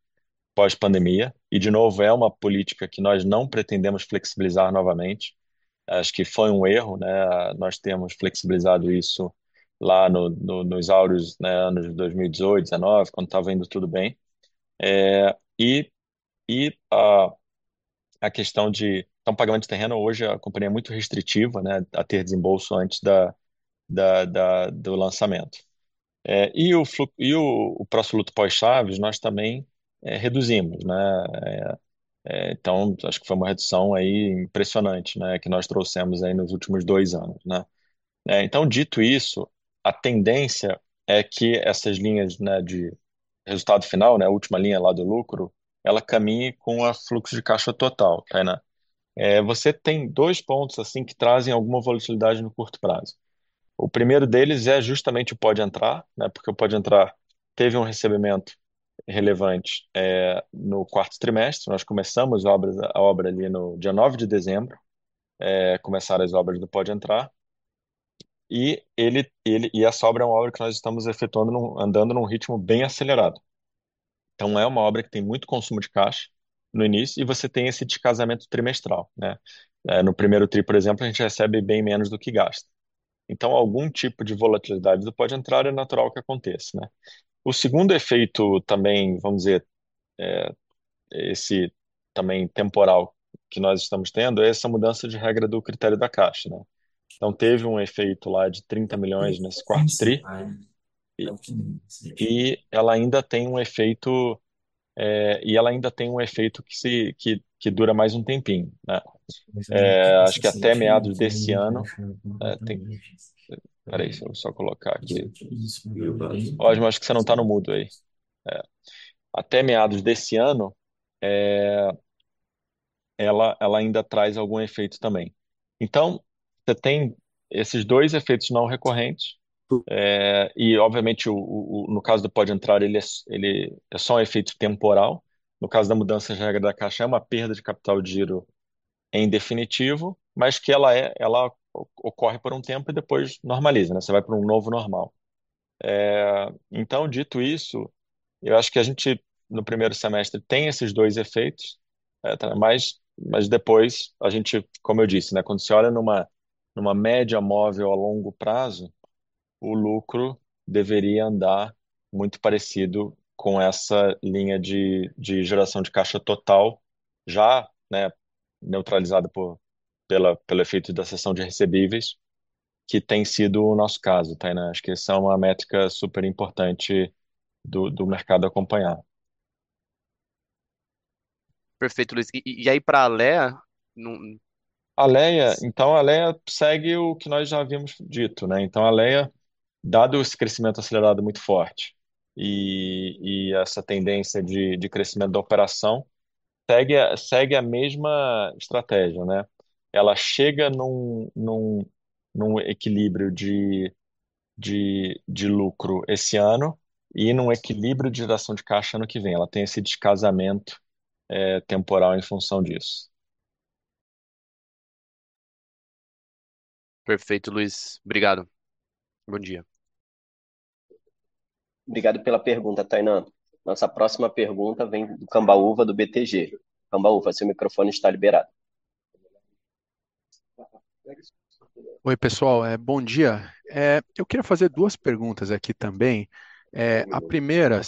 pós-pandemia, e de novo, é uma política que nós não pretendemos flexibilizar novamente. Acho que foi um erro, né, nós termos flexibilizado isso lá nos anos áureos, né, anos de 2018, 2019, quando tava indo tudo bem. A questão de pagamento de terreno, hoje, a companhia é muito restritiva, né, a ter desembolso antes do lançamento. E o pró-soluto pós-chaves, nós também reduzimos, né. Então acho que foi uma redução aí impressionante, né, que nós trouxemos aí nos últimos dois anos, né. Então dito isso, a tendência é que essas linhas, né, de resultado final, né, a última linha lá do lucro, ela caminhe com o fluxo de caixa total, Tainã. Você tem dois pontos assim que trazem alguma volatilidade no curto prazo. O primeiro deles é justamente o Pode Entrar, né, porque o Pode Entrar teve um recebimento relevante no quarto trimestre. Nós começamos as obras ali no dia 9 de dezembro. Começaram as obras do Pode Entrar. Essa obra é uma obra que nós estamos efetuando, andando num ritmo bem acelerado. Então é uma obra que tem muito consumo de caixa no início e você tem esse descasamento trimestral, né. No primeiro tri, por exemplo, a gente recebe bem menos do que gasta. Então algum tipo de volatilidade do Pode Entrar é natural que aconteça, né. O segundo efeito também, vamos dizer, esse também temporal que nós estamos tendo, essa mudança de regra do critério da caixa, né. Teve um efeito lá de BRL 30 million nesse quarto tri, e ela ainda tem um efeito que dura mais um tempinho, né. Acho que até meados desse ano, pera aí, deixa eu só colocar aqui. Rodolfo, acho que cê não tá no mudo aí. Até meados desse ano, ela ainda traz algum efeito também. Cê tem esses 2 efeitos não recorrentes, e obviamente no caso do Pode Entrar, ele é só um efeito temporal. No caso da mudança de regra da Caixa, é uma perda de capital de giro em definitivo, mas que ela ocorre por um tempo e depois normaliza, né, cê vai pra um novo normal. Dito isso, eu acho que a gente no primeiro semestre tem esses dois efeitos, Tainã, mas depois a gente, como eu disse, né, quando cê olha numa média móvel a longo prazo, o lucro deveria andar muito parecido com essa linha de geração de caixa total, né, neutralizado pelo efeito da cessão de recebíveis, que tem sido o nosso caso, Tainã. Acho que essa é uma métrica superimportante do mercado acompanhar. Perfeito, Luiz. Aí pra Alea. Alea, então a Alea segue o que nós já havíamos dito, né. A Alea, dado esse crescimento acelerado muito forte e essa tendência de crescimento da operação, segue a mesma estratégia, né. Ela chega um equilíbrio de lucro esse ano e um equilíbrio de geração de caixa ano que vem. Ela tem esse descasamento temporal em função disso. Perfeito, Luiz. Obrigado. Bom dia. Obrigado pela pergunta, Tainã. Nossa próxima pergunta vem do Gustavo Cambauva, do BTG. Gustavo Cambauva, seu microfone está liberado. Oi, pessoal, bom dia. Eu queria fazer 2 perguntas aqui também. A primeira,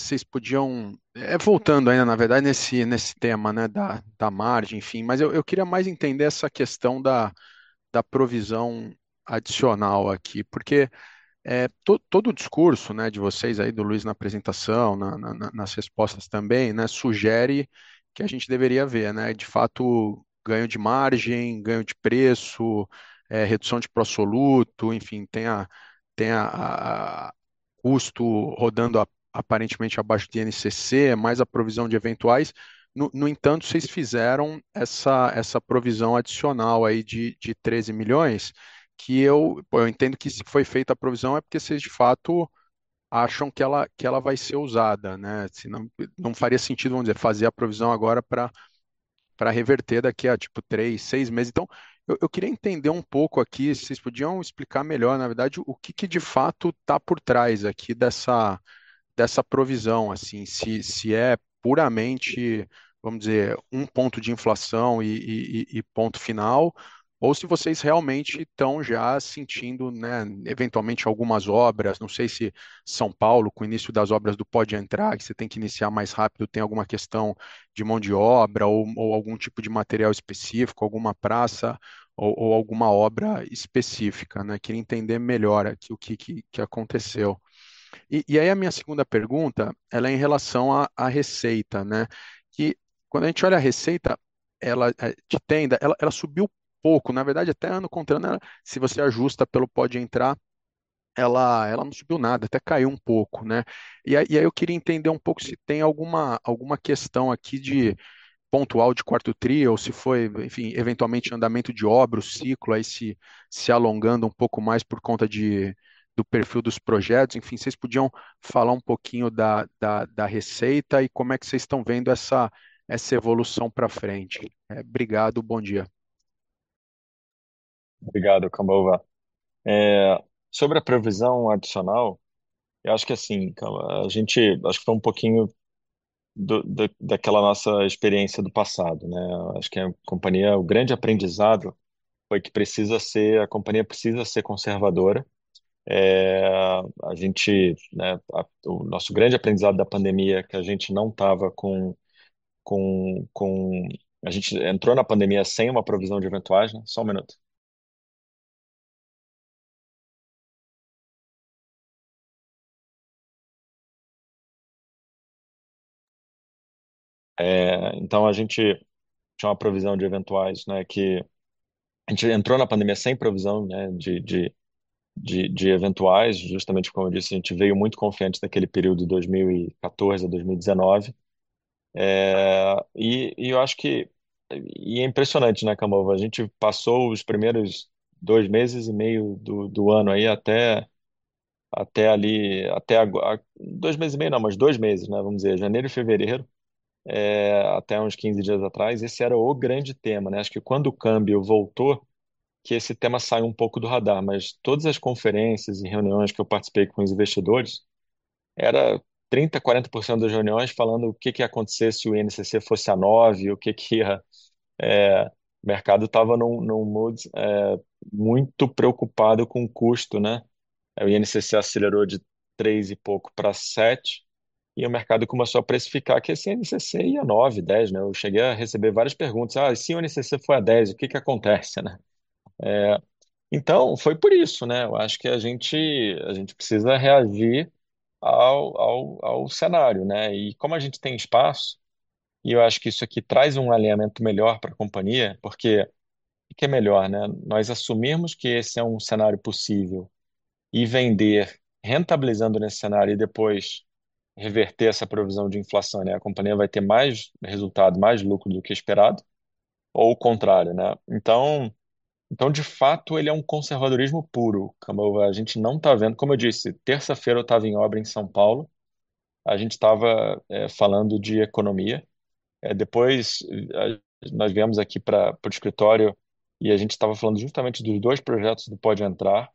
voltando ainda, na verdade, nesse tema, né, da margem, enfim, mas eu queria mais entender essa questão da provisão adicional aqui, porque todo o discurso, né, de vocês aí, do Luiz na apresentação, nas respostas também, né, sugere que a gente deveria ver, né, de fato, ganho de margem, ganho de preço, redução de pró-soluto, enfim, tem o custo rodando aparentemente abaixo de INCC, mais a provisão de eventuais. No entanto, cês fizeram essa provisão adicional aí de 13 milhões, que eu, pô, entendo que se foi feita a provisão é porque cês, de fato, acham que ela vai ser usada, né? Senão não faria sentido, vamos dizer, fazer a provisão agora pra reverter daqui a, tipo, 3, 6 meses. Eu queria entender um pouco aqui, se cês podiam explicar melhor, na verdade, o que que, de fato, tá por trás aqui dessa provisão, assim, se é puramente, vamos dizer, um ponto de inflação e ponto final, ou se vocês realmente tão já sentindo, né, eventualmente algumas obras. Não sei se São Paulo, com o início das obras do Pode Entrar, que cê tem que iniciar mais rápido, tem alguma questão de mão de obra ou algum tipo de material específico, alguma preço ou alguma obra específica, né? Queria entender melhor aqui o que que aconteceu. E aí a minha segunda pergunta, ela é em relação à receita, né? Que quando a gente olha a receita, ela de Tenda, ela subiu pouco. Na verdade, até ano contra ano, ela se você ajusta pelo Pode Entrar, ela não subiu nada, até caiu um pouco, né? E aí eu queria entender um pouco se tem alguma questão aqui de pontual de quarto tri ou se foi, enfim, eventualmente andamento de obra, o ciclo aí se alongando um pouco mais por conta de do perfil dos projetos. Enfim, cês podiam falar um pouquinho da receita e como é que cês tão vendo essa evolução pra frente. Obrigado, bom dia. Obrigado, Gustavo Cambauva. Sobre a previsão adicional, eu acho que, Gustavo Cambauva, acho que foi um pouquinho daquela nossa experiência do passado, né? Acho que a companhia, o grande aprendizado foi que a companhia precisa ser conservadora. O nosso grande aprendizado da pandemia é que a gente entrou na pandemia sem uma provisão de eventuais, né? Só um minuto. Então a gente tinha uma provisão de eventuais, né, que a gente entrou na pandemia sem provisão, né, de eventuais, justamente como eu disse, a gente veio muito confiante daquele período de 2014 a 2019. É impressionante, né, Gustavo Cambauva? A gente passou os primeiros 2 meses e meio do ano aí até agora, 2 meses e meio não, mas 2 meses, né? Vamos dizer, janeiro e fevereiro, até uns 15 dias atrás, esse era o grande tema, né? Acho que quando o câmbio voltou, que esse tema sai um pouco do radar, mas todas as conferências e reuniões que eu participei com os investidores, era 30%-40% das reuniões falando o que que ia acontecer se o INCC fosse a 9, o que que ia, o mercado tava num mood muito preocupado com o custo, né? Aí o INCC acelerou de 3 e pouco pra 7, e o mercado começou a precificar que esse INCC ia a 9-10, né? Eu cheguei a receber várias perguntas: "e se o INCC for a dez, o que que acontece, né?" Então foi por isso, né? Eu acho que a gente precisa reagir ao cenário, né? Como a gente tem espaço, e eu acho que isso aqui traz um alinhamento melhor pra companhia, porque o que é melhor, né? Nós assumirmos que esse é um cenário possível e vender rentabilizando nesse cenário e depois reverter essa provisão de inflação, né? A companhia vai ter mais resultado, mais lucro do que o esperado ou o contrário, né? Então, de fato, ele é um conservadorismo puro, Gustavo Cambauva. A gente não tá vendo como eu disse, terça-feira eu tava em obra em São Paulo, a gente tava falando de economia. Depois nós viemos aqui pro escritório e a gente tava falando justamente dos dois projetos do Pode Entrar,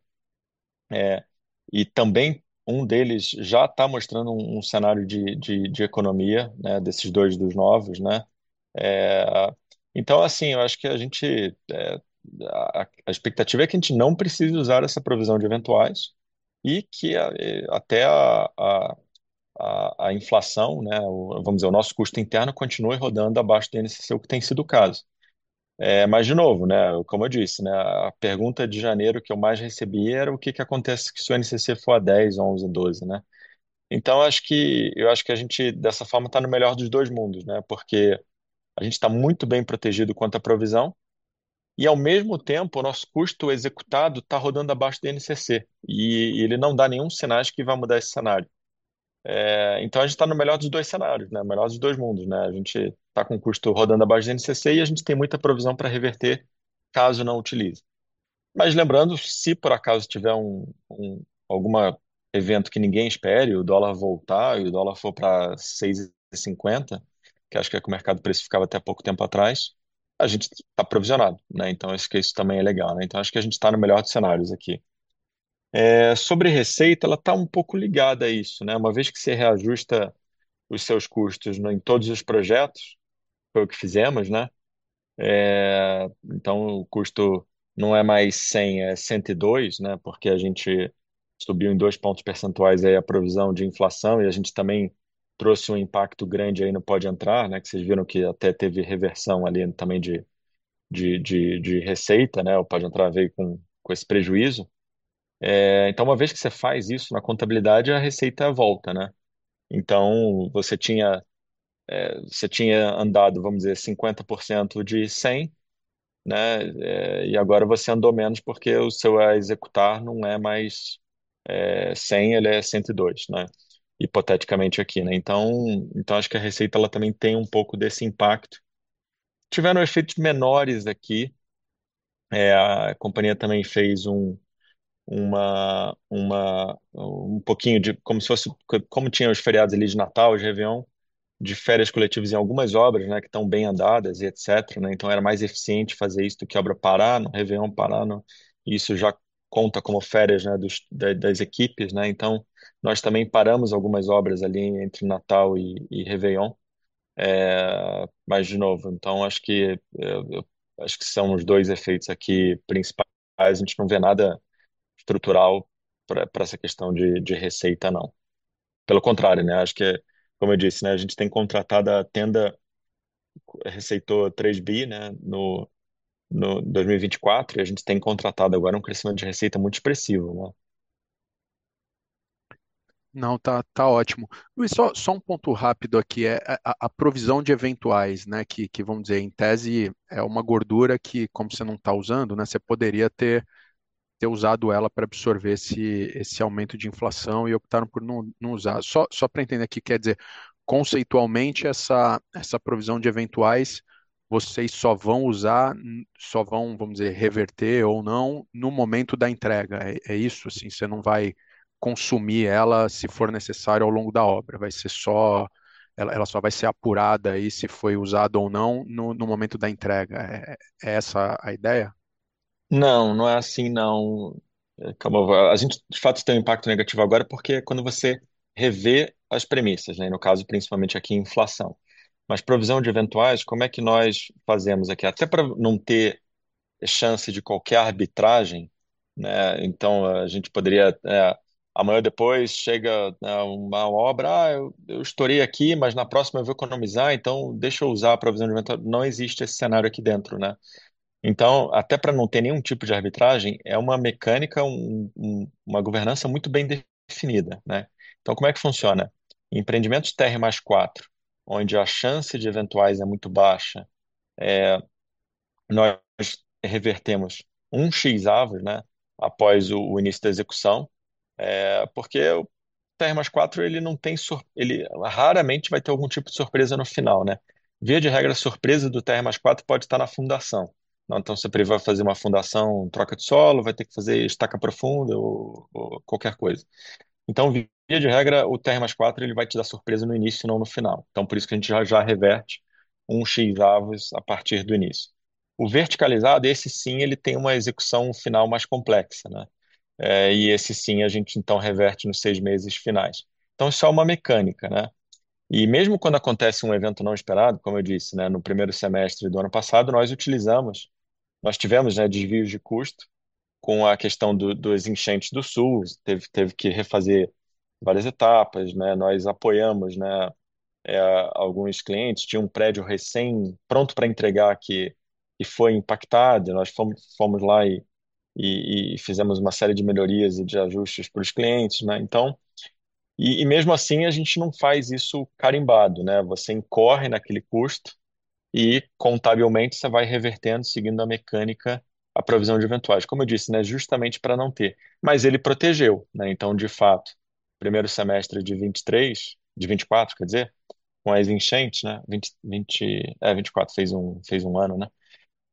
e também um deles já tá mostrando um cenário de economia, né, desses dois, dos novos, né? Então, assim, eu acho que a expectativa é que a gente não precise usar essa provisão de eventuais e que até a inflação, né, ou vamos dizer, o nosso custo interno continue rodando abaixo do INCC, o que tem sido o caso. Mas de novo, né, como eu disse, né, a pergunta de janeiro que eu mais recebia era o que que acontece se o INCC for a 10%, 11%, 12%, né? Então acho que a gente, dessa forma, tá no melhor dos dois mundos, né? Porque a gente tá muito bem protegido quanto à provisão e, ao mesmo tempo, o nosso custo executado tá rodando abaixo do INCC e ele não dá nenhum sinal que vai mudar esse cenário. A gente tá no melhor dos dois cenários, né, o melhor dos dois mundos, né? A gente tá com o custo rodando abaixo do INCC e a gente tem muita provisão pra reverter, caso não utilize. Lembrando, se por acaso tiver algum evento que ninguém espere, o dólar voltar e o dólar for pra 6.50, que acho que é o que o mercado precificava até pouco tempo atrás, a gente tá provisionado, né? Acho que isso também é legal, né? Acho que a gente tá no melhor dos cenários aqui. Sobre receita, ela tá um pouco ligada a isso, né? Uma vez que cê reajusta os seus custos, né, em todos os projetos, foi o que fizemos, né? Então o custo não é mais 100, é 102, né? Porque a gente subiu em 2 pontos percentuais aí a provisão de inflação e a gente também trouxe um impacto grande aí no Pode Entrar, né, que cês viram que até teve reversão ali também de receita, né? O Pode Entrar veio com esse prejuízo. Então uma vez que cê faz isso na contabilidade, a receita volta, né? Então você tinha andado, vamos dizer, 50% de 100, né? E agora você andou menos porque o seu a executar não é mais 100, ele é 102, né? Hipoteticamente aqui, né? Então acho que a receita ela também tem um pouco desse impacto. Tiveram efeitos menores aqui. A companhia também fez um pouquinho de como tinha os feriados ali de Natal, de Réveillon, de férias coletivas em algumas obras, né, que tão bem andadas e etc, né. Era mais eficiente fazer isso do que a obra parar no Réveillon. Isso já conta como férias, né, das equipes, né. Nós também paramos algumas obras ali entre Natal e Réveillon. Mas de novo acho que são os dois efeitos aqui principais. A gente não vê nada estrutural pra essa questão de receita, não. Pelo contrário, né. Acho que, como eu disse, né, a gente tem contratado a Tenda, receita de 3 bi, né, no 2024 e a gente tem contratado agora um crescimento de receita muito expressivo. Não, tá ótimo. Luiz, só um ponto rápido aqui. A provisão de eventuais, né, que vamos dizer, em tese, é uma gordura que como você não tá usando, né, você poderia ter usado ela pra absorver esse aumento de inflação e optaram por não usar. Só pra entender aqui, quer dizer, conceitualmente essa provisão de eventuais, vocês só vão usar, vamos dizer, reverter ou não no momento da entrega. É isso? Assim, cê não vai consumir ela se for necessário ao longo da obra, vai ser só ela só vai ser apurada aí se foi usado ou não no momento da entrega. É essa a ideia? Não, não é assim não, Calmon. A gente de fato tem um impacto negativo agora, porque quando você revê as premissas, né, no caso, principalmente aqui inflação. Mas provisão de eventuais, como é que nós fazemos aqui? Até pra não ter chance de qualquer arbitragem, né, então a gente poderia amanhã depois chega uma obra: "ah, eu estourei aqui, mas na próxima eu vou economizar, então deixa eu usar a provisão de eventuais". Não existe esse cenário aqui dentro, né? Então, até pra não ter nenhum tipo de arbitragem, é uma mecânica, uma governança muito bem definida, né? Então como é que funciona? Empreendimentos Térreo + 4, onde a chance de eventuais é muito baixa, nós revertemos um x avos após o início da execução, porque o Térreo + 4 ele raramente vai ter algum tipo de surpresa no final. Via de regra, a surpresa do Térreo + 4 pode estar na fundação. Você prevê fazer uma fundação, troca de solo, vai ter que fazer estaca profunda ou qualquer coisa. Via de regra, o Térreo + 4 ele vai te dar surpresa no início e não no final. Por isso que a gente já reverte um x avos a partir do início. O verticalizado, esse sim, ele tem uma execução final mais complexa. E esse sim, a gente reverte nos 6 meses finais. Isso é uma mecânica. Mesmo quando acontece um evento não esperado, como eu disse, né, no primeiro semestre do ano passado, nós utilizamos, nós tivemos, né, desvios de custo com a questão das enchentes do Sul, teve que refazer várias etapas, né? Nós apoiamos, né, alguns clientes, tinha um prédio recém pronto pra entregar que e foi impactado, nós fomos lá e fizemos uma série de melhorias e de ajustes pros clientes, né? Então, mesmo assim a gente não faz isso carimbado, né? Você incorre naquele custo e contabilmente você vai revertendo, seguindo a mecânica, a provisão de eventuais. Como eu disse, né? Justamente pra não ter. Mas ele protegeu, né? Então, de fato, primeiro semestre de 2023, de 2024, quer dizer, com as enchentes, né? Vinte-vinte, 2024 fez um, fez um ano, né?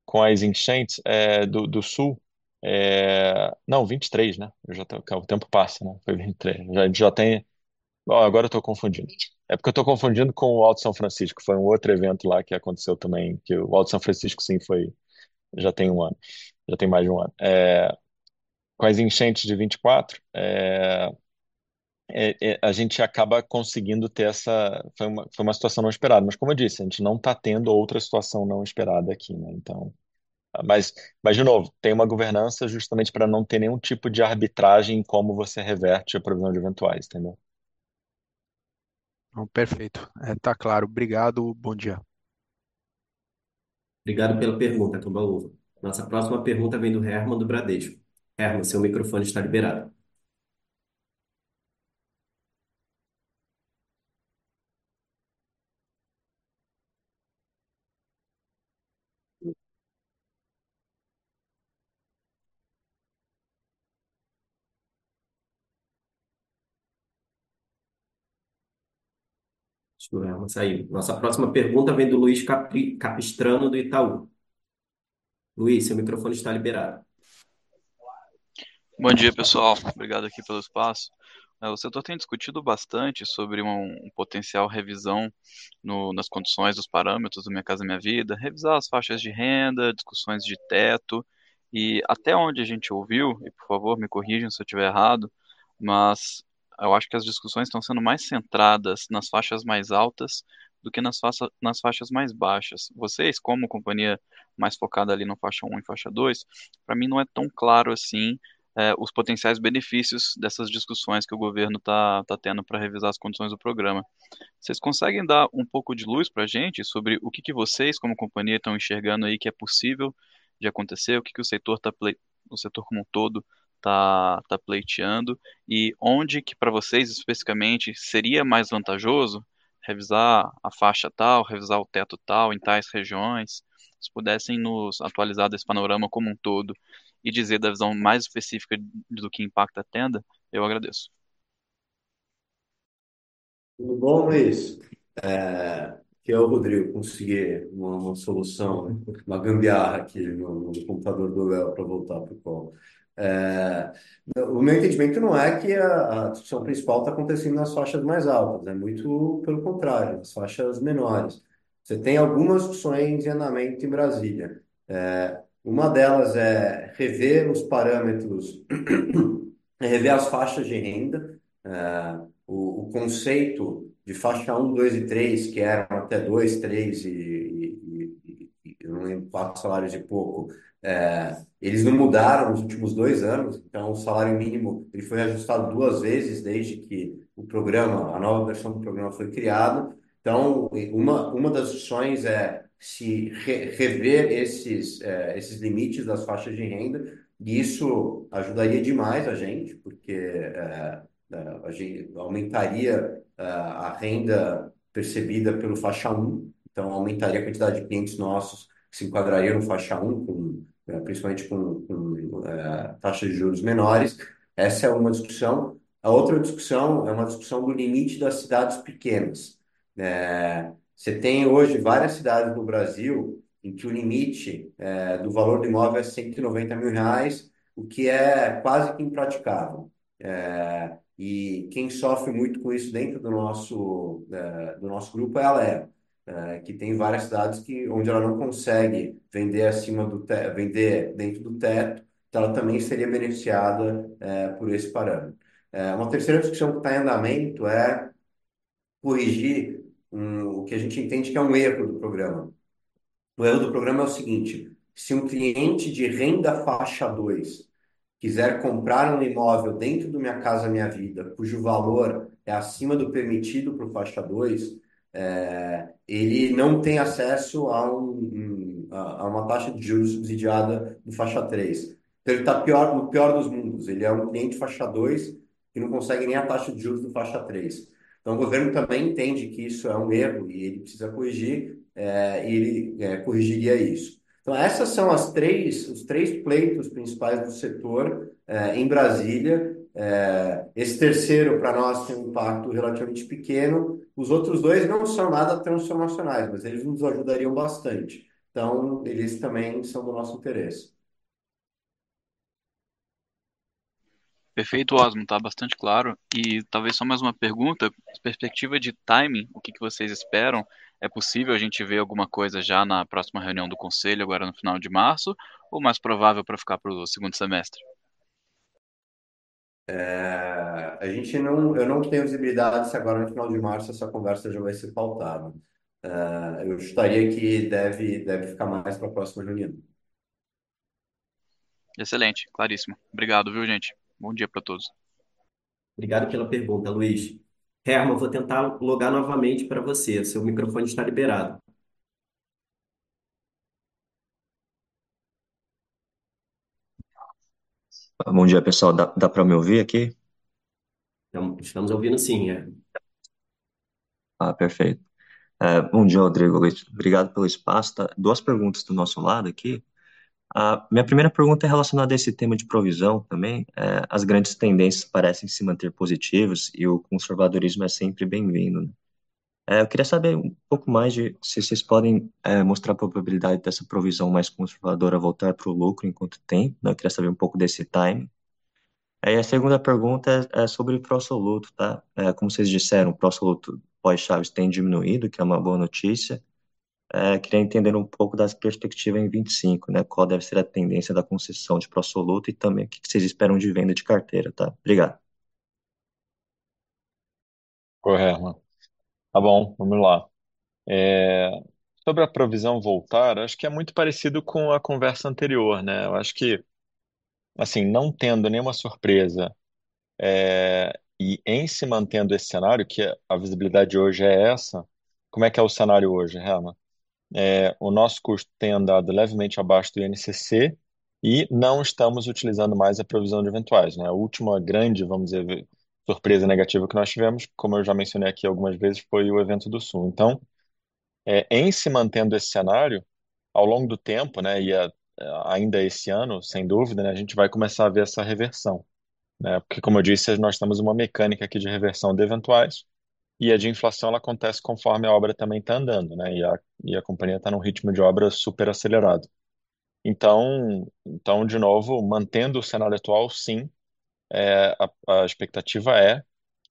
Com as enchentes do Sul, não, 2023, né? O tempo passa, né? Foi 2023. Ó, agora eu tô confundindo. É porque eu tô confundindo com o Alto São Francisco, foi um outro evento lá que aconteceu também, que o Alto São Francisco, sim, foi, já tem um ano, já tem mais de um ano. Com as enchentes de 2024, a gente acaba conseguindo ter essa, foi uma situação não esperada, mas como eu disse, a gente não tá tendo outra situação não esperada aqui, né, então. De novo, tem uma governança justamente pra não ter nenhum tipo de arbitragem em como você reverte a provisão de eventuais, entendeu? Perfeito. É, tá claro. Obrigado. Bom dia. Obrigado pela pergunta, Calmon. Nossa próxima pergunta vem do Herman, do Bradesco. Herman, seu microfone está liberado. Desculpa, não saiu. Nossa próxima pergunta vem do Luiz Capistrano, do Itaú. Luiz, seu microfone está liberado. Bom dia, pessoal. Obrigado aqui pelo espaço. O setor tem discutido bastante sobre um potencial revisão nas condições dos parâmetros do Minha Casa, Minha Vida, revisar as faixas de renda, discussões de teto. Até onde a gente ouviu, e por favor, me corrijam se eu tiver errado, mas eu acho que as discussões tão sendo mais centradas nas faixas mais altas do que nas faixas mais baixas. Vocês, como companhia mais focada ali na faixa um e faixa dois, pra mim não é tão claro assim, os potenciais benefícios dessas discussões que o governo tá tendo pra revisar as condições do programa. Vocês conseguem dar um pouco de luz pra gente sobre o que que vocês, como companhia, tão enxergando aí que é possível de acontecer, o que que o setor tá pleiteando e onde que pra vocês, especificamente, seria mais vantajoso revisar a faixa tal, revisar o teto tal, em tais regiões. Se pudessem nos atualizar desse panorama como um todo e dizer da visão mais específica do que impacta a Tenda, eu agradeço. Tudo bom, Luiz? Aqui é o Rodrigo. Consegui uma solução, uma gambiarra aqui no computador do Wellington pra voltar pro call. O meu entendimento não é que a discussão principal tá acontecendo nas faixas mais altas, é muito pelo contrário, nas faixas menores. Cê tem algumas discussões em andamento em Brasília. Uma delas é rever os parâmetros, rever as faixas de renda, o conceito de faixa 1, 2 e 3, que era até 2, 3 e 4 salários e pouco, eles não mudaram nos últimos 2 anos. O salário mínimo, ele foi ajustado 2 vezes desde que o programa, a nova versão do programa foi criada. Uma das discussões é se rever esses limites das faixas de renda, e isso ajudaria demais a gente, porque a gente aumentaria a renda percebida pelo faixa 1, então aumentaria a quantidade de clientes nossos que se enquadrariam no faixa 1, com, principalmente com taxas de juros menores. Essa é uma discussão. A outra discussão é uma discussão do limite das cidades pequenas. Né? Cê tem hoje várias cidades no Brasil em que o limite do valor do imóvel é 190 mil reais, o que é quase que impraticável. E quem sofre muito com isso dentro do nosso grupo é a Alea, que tem várias cidades onde ela não consegue vender dentro do teto, então ela também seria beneficiada por esse parâmetro. Uma terceira discussão que está em andamento é corrigir o que a gente entende que é um erro do programa. O erro do programa é o seguinte: se um cliente de renda faixa dois quiser comprar um imóvel dentro do Minha Casa, Minha Vida, cujo valor é acima do permitido pro faixa dois, ele não tem acesso a uma taxa de juros subsidiada do faixa três. Então ele está pior, no pior dos mundos. Ele é um cliente faixa dois, que não consegue nem a taxa de juros do faixa três. Então o governo também entende que isso é um erro e ele precisa corrigir, e ele corrigiria isso. Então essas são os três pleitos principais do setor em Brasília. Esse terceiro pra nós tem um impacto relativamente pequeno. Os outros dois não são nada transformacionais, mas eles nos ajudariam bastante. Eles também são do nosso interesse. Perfeito, Ósmo, tá bastante claro. Talvez só mais uma pergunta: perspectiva de timing, o que que vocês esperam? É possível a gente ver alguma coisa já na próxima reunião do conselho, agora no final de março, ou mais provável pra ficar pro segundo semestre? A gente não, eu não tenho visibilidade se agora no final de março essa conversa já vai ser pautada. Eu chutaria que deve ficar mais pra próxima reunião. Excelente, claríssimo. Obrigado, viu, gente? Bom dia pra todos. Obrigado pela pergunta, Luiz. Herman, vou tentar logar novamente pra você. Seu microfone está liberado. Bom dia, pessoal. Dá pra me ouvir aqui? Estamos ouvindo sim. Perfeito. Bom dia, Rodrigo. Obrigado pelo espaço, tá? Duas perguntas do nosso lado aqui. A minha primeira pergunta é relacionada a esse tema de provisão também. As grandes tendências parecem se manter positivos e o conservadorismo é sempre bem-vindo, né. Eu queria saber um pouco mais de, se cês podem, mostrar a probabilidade dessa provisão mais conservadora voltar pro lucro em quanto tempo, né? Eu queria saber um pouco desse timing. Aí a segunda pergunta é sobre o pró-soluto, tá? Como cês disseram, o pró-soluto pós chaves tem diminuído, que é uma boa notícia. Queria entender um pouco da perspectiva em 2025, né? Qual deve ser a tendência da concessão de pró-soluto e também o que cês esperam de venda de carteira, tá? Obrigado. Oi, Herman. Tá bom, vamos lá. Sobre a provisão voltar, acho que é muito parecido com a conversa anterior, né? Eu acho que, assim, não tendo nenhuma surpresa, e em se mantendo esse cenário, que a visibilidade hoje é essa, como é que é o cenário hoje, Herman? O nosso custo tem andado levemente abaixo do INCC e não estamos utilizando mais a provisão de eventuais, né? A última grande, vamos dizer, surpresa negativa que nós tivemos, como eu já mencionei aqui algumas vezes, foi o evento do Sul. Então, em se mantendo esse cenário, ao longo do tempo, né, e ainda esse ano, sem dúvida, né, a gente vai começar a ver essa reversão, né? Porque como eu disse, nós temos uma mecânica aqui de reversão de eventuais e a de inflação ela acontece conforme a obra também tá andando, né? A companhia tá num ritmo de obra super acelerado. De novo, mantendo o cenário atual, sim, a expectativa é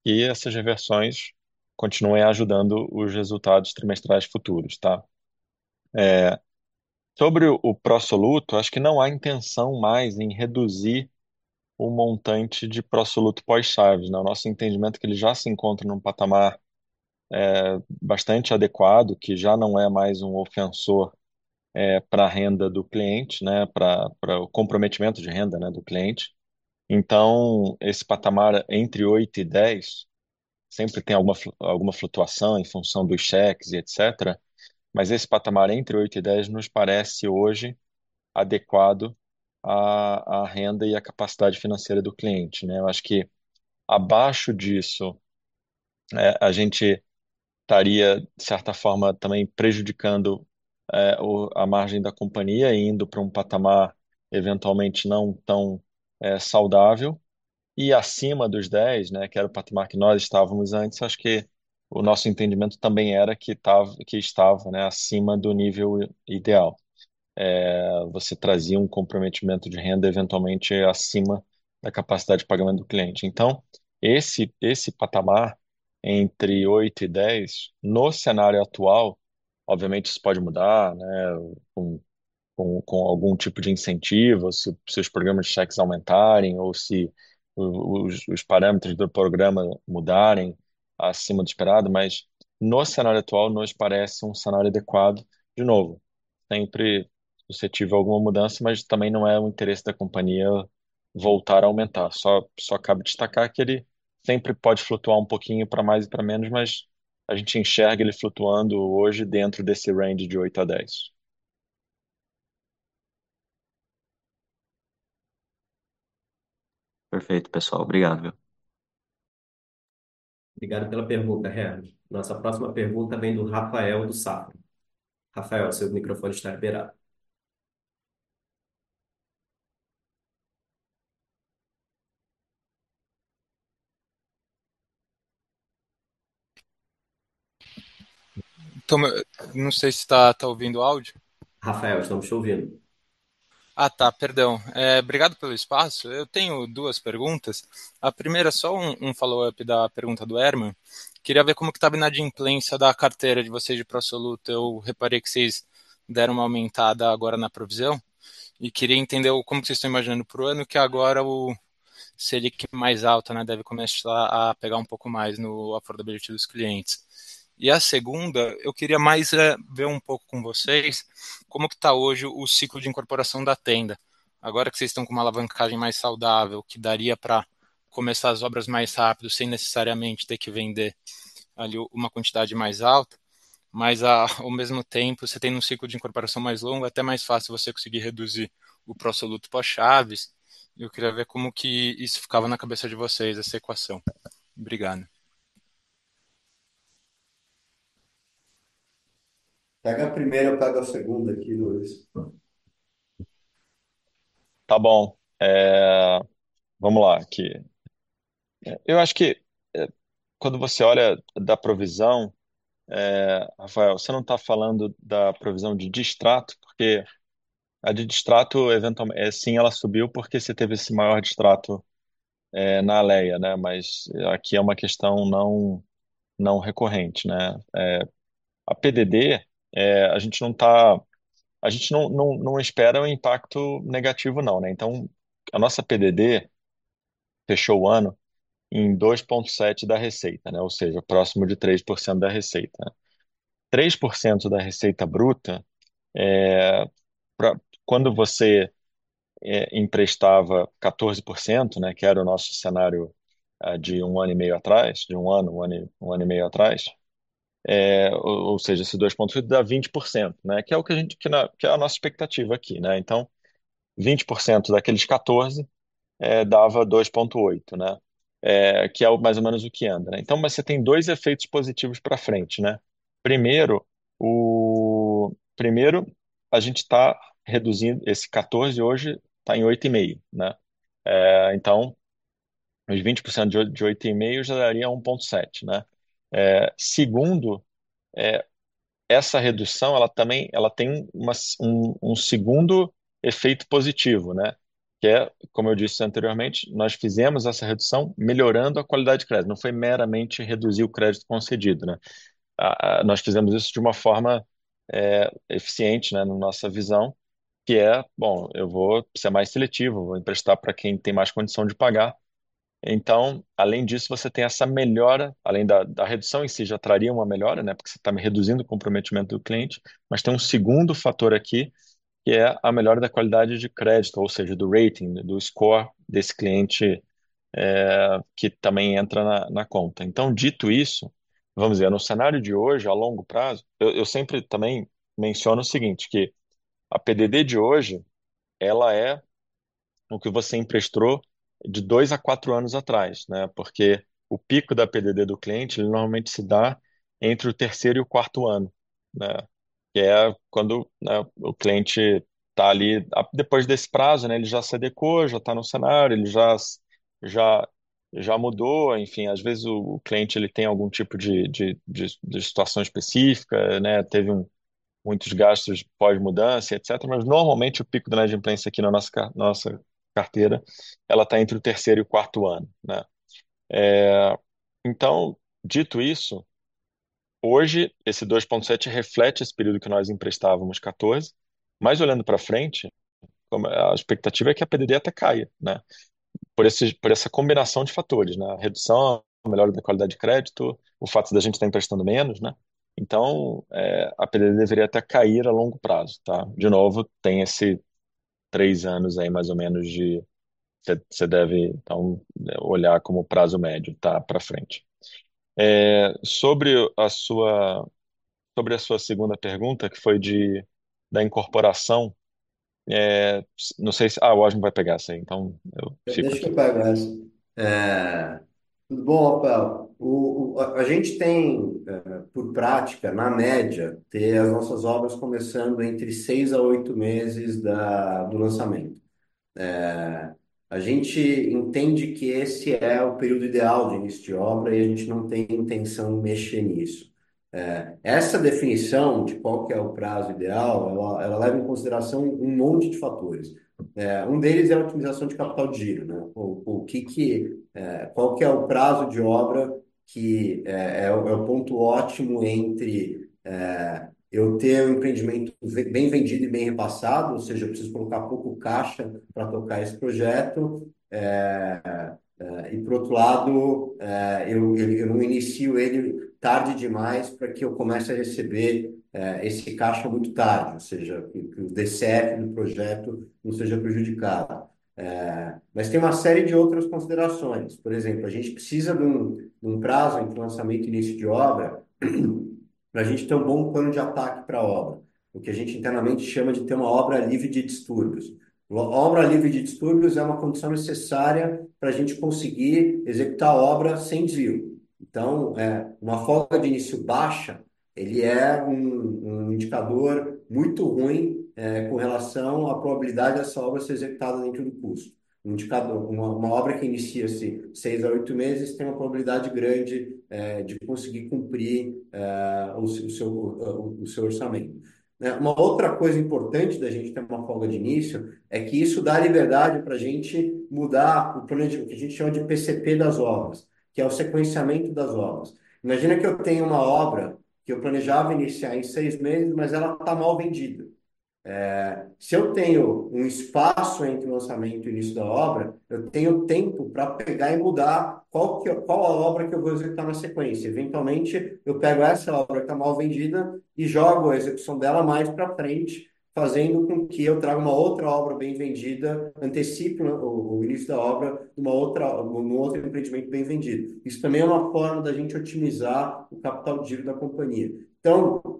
que essas reversões continuem ajudando os resultados trimestrais futuros, tá? Sobre o pró-soluto, acho que não há mais intenção em reduzir o montante de pró-soluto pós-chaves, né? O nosso entendimento é que ele já se encontra num patamar bastante adequado, que já não é mais um ofensor pra renda do cliente, né, pra o comprometimento de renda, né, do cliente. Esse patamar entre 8 e 10, sempre tem alguma flutuação em função das chaves e etc. Mas esse patamar entre 8 e 10 nos parece hoje adequado à renda e à capacidade financeira do cliente, né? Eu acho que abaixo disso, a gente estaria, de certa forma, também prejudicando a margem da companhia, indo pra um patamar eventualmente não tão saudável e acima dos 10%, que era o patamar que nós estávamos antes. Acho que o nosso entendimento também era que estava acima do nível ideal. Você trazia um comprometimento de renda eventualmente acima da capacidade de pagamento do cliente. Então, esse patamar entre 8% e 10%, no cenário atual, obviamente isso pode mudar, com algum tipo de incentivo, se seus programas de cheques aumentarem ou se os parâmetros do programa mudarem acima do esperado, mas no cenário atual nos parece um cenário adequado. De novo, sempre suscetível a alguma mudança, mas também não é o interesse da companhia voltar a aumentar. Cabe destacar que ele sempre pode flutuar um pouquinho pra mais e pra menos, mas a gente enxerga ele flutuando hoje dentro desse range de 8-10. Perfeito, pessoal. Obrigado, viu? Obrigado pela pergunta, Herman. Nossa próxima pergunta vem do Rafael do Safra. Rafael, seu microfone está liberado. Não sei se tá ouvindo o áudio. Rafael, estamos te ouvindo. Tá. Perdão. Obrigado pelo espaço. Eu tenho duas perguntas. A primeira é só um follow-up da pergunta do Herman. Queria ver como que tava inadimplência da carteira de vocês de pró-soluto. Eu reparei que cês deram uma aumentada agora na provisão e queria entender como que cês tão imaginando pro ano, que agora o Selic mais alta, né, deve começar a pegar um pouco mais no affordability dos clientes. A segunda, eu queria mais é ver um pouco com vocês como que tá hoje o ciclo de incorporação da Tenda. Agora que cês tão com uma alavancagem mais saudável, que daria pra começar as obras mais rápido, sem necessariamente ter que vender ali uma quantidade mais alta, mas ao mesmo tempo, você tendo um ciclo de incorporação mais longo, é até mais fácil você conseguir reduzir o pró-soluto pós-chaves. Eu queria ver como que isso ficava na cabeça de vocês, essa equação. Obrigado. Pega a primeira, eu pego a segunda aqui, Luiz. Pronto. Tá bom. Vamos lá, que eu acho que, quando você olha da provisão, Rafael, cê não tá falando da provisão de distrato, porque a de distrato, sim, ela subiu porque cê teve esse maior distrato, na Alea, né? Mas aqui é uma questão não recorrente, né? A PDD, a gente não tá, a gente não espera o impacto negativo, não, né? Então, a nossa PDD fechou o ano em 2.7% da receita, né? Ou seja, próximo de 3% da receita. 3% da receita bruta, quando você emprestava 14%, né, que era o nosso cenário, de um ano e meio atrás, ou seja, esse 2.8% dá 20%, né, que é a nossa expectativa aqui, né? 20% daqueles 14 dava 2.8, que é mais ou menos o que anda, né? Mas cê tem dois efeitos positivos pra frente, né? Primeiro, a gente tá reduzindo esse 14 hoje, tá em 8.5, né? Então, os 20% de 8.5 já daria 1.7, né? Segundo, essa redução, ela também tem um segundo efeito positivo, né, que é, como eu disse anteriormente, nós fizemos essa redução melhorando a qualidade de crédito, não foi meramente reduzir o crédito concedido, né? Nós fizemos isso de uma forma eficiente, né, na nossa visão, que é: "Bom, eu vou ser mais seletivo, vou emprestar pra quem tem mais condição de pagar". Além disso, você tem essa melhora, além da redução em si já traria uma melhora, né, porque cê tá me reduzindo o comprometimento do cliente. Mas tem um segundo fator aqui, que é a melhora da qualidade de crédito, ou seja, do rating, do score desse cliente, que também entra na conta. Dito isso, vamos dizer, no cenário de hoje, a longo prazo, eu sempre também menciono o seguinte, que a PDD de hoje, ela é o que você emprestou de 2 a 4 anos atrás, né? Porque o pico da PDD do cliente, ele normalmente se dá entre o terceiro e o quarto ano, né? Que é quando, né, o cliente tá ali, depois desse prazo, né, ele já se adequou, já tá no cenário, ele já mudou, enfim, às vezes o cliente ele tem algum tipo de de situação específica, né, teve muitos gastos pós-mudança, etc. Mas normalmente o pico da inadimplência aqui na nossa carteira, ela tá entre o terceiro e o quarto ano, né? É, então, dito isso, hoje esse 2.7 reflete esse período que nós emprestávamos catorze, mas olhando pra frente. A expectativa é que a PDD até caia, né? Por esse, por essa combinação de fatores, né, a redução, a melhora da qualidade de crédito, o fato da gente tá emprestando menos, né? Então, é, a PDD deveria até cair a longo prazo, tá? De novo, tem esse três anos aí mais ou menos. Cê deve dar um olhar como prazo médio, tá, pra frente. Sobre a sua segunda pergunta, que foi da incorporação, não sei se o Washington vai pegar essa aí, então eu deixo com você. Deixa que eu pego essa. Tudo bom, Rafael. A gente tem, por prática, na média, ter as nossas obras começando entre 6 a 8 meses do lançamento. A gente entende que esse é o período ideal de início de obra e a gente não tem a intenção de mexer nisso. Essa definição de qual que é o prazo ideal, ela leva em consideração um monte de fatores. Um deles é a otimização de capital giro, né? Qual que é o prazo de obra que é o ponto ótimo entre eu ter o empreendimento bem vendido e bem repassado, ou seja, eu preciso colocar pouco caixa pra tocar esse projeto. Por outro lado, eu não inicio ele tarde demais para que eu comece a receber esse caixa muito tarde, ou seja, que o DCF do projeto não seja prejudicado. Tem uma série de outras considerações. Por exemplo, a gente precisa de um prazo entre o lançamento e início de obra para gente ter um bom plano de ataque para obra, o que a gente internamente chama de ter uma obra livre de distúrbios. Uma obra livre de distúrbios é uma condição necessária para gente conseguir executar a obra sem desvio. Uma folga de início baixa, ele é um indicador muito ruim com relação à probabilidade dessa obra ser executada dentro do custo. Uma obra que inicia-se 6-8 meses tem uma probabilidade grande de conseguir cumprir o seu orçamento. Uma outra coisa importante da gente ter uma folga de início é que isso dá liberdade pra gente mudar o que a gente chama de PCP das obras, que é o sequenciamento das obras. Imagina que eu tenho uma obra que eu planejava iniciar em 6 meses, mas ela tá mal vendida. Se eu tenho um espaço entre o lançamento e o início da obra, eu tenho tempo pra pegar e mudar qual a obra que eu vou executar na sequência. Eventualmente, eu pego essa obra que tá mal vendida e jogo a execução dela mais pra frente, fazendo com que eu traga uma outra obra bem vendida, antecipe o início da obra num outro empreendimento bem vendido. Isso também é uma forma da gente otimizar o capital giro da companhia.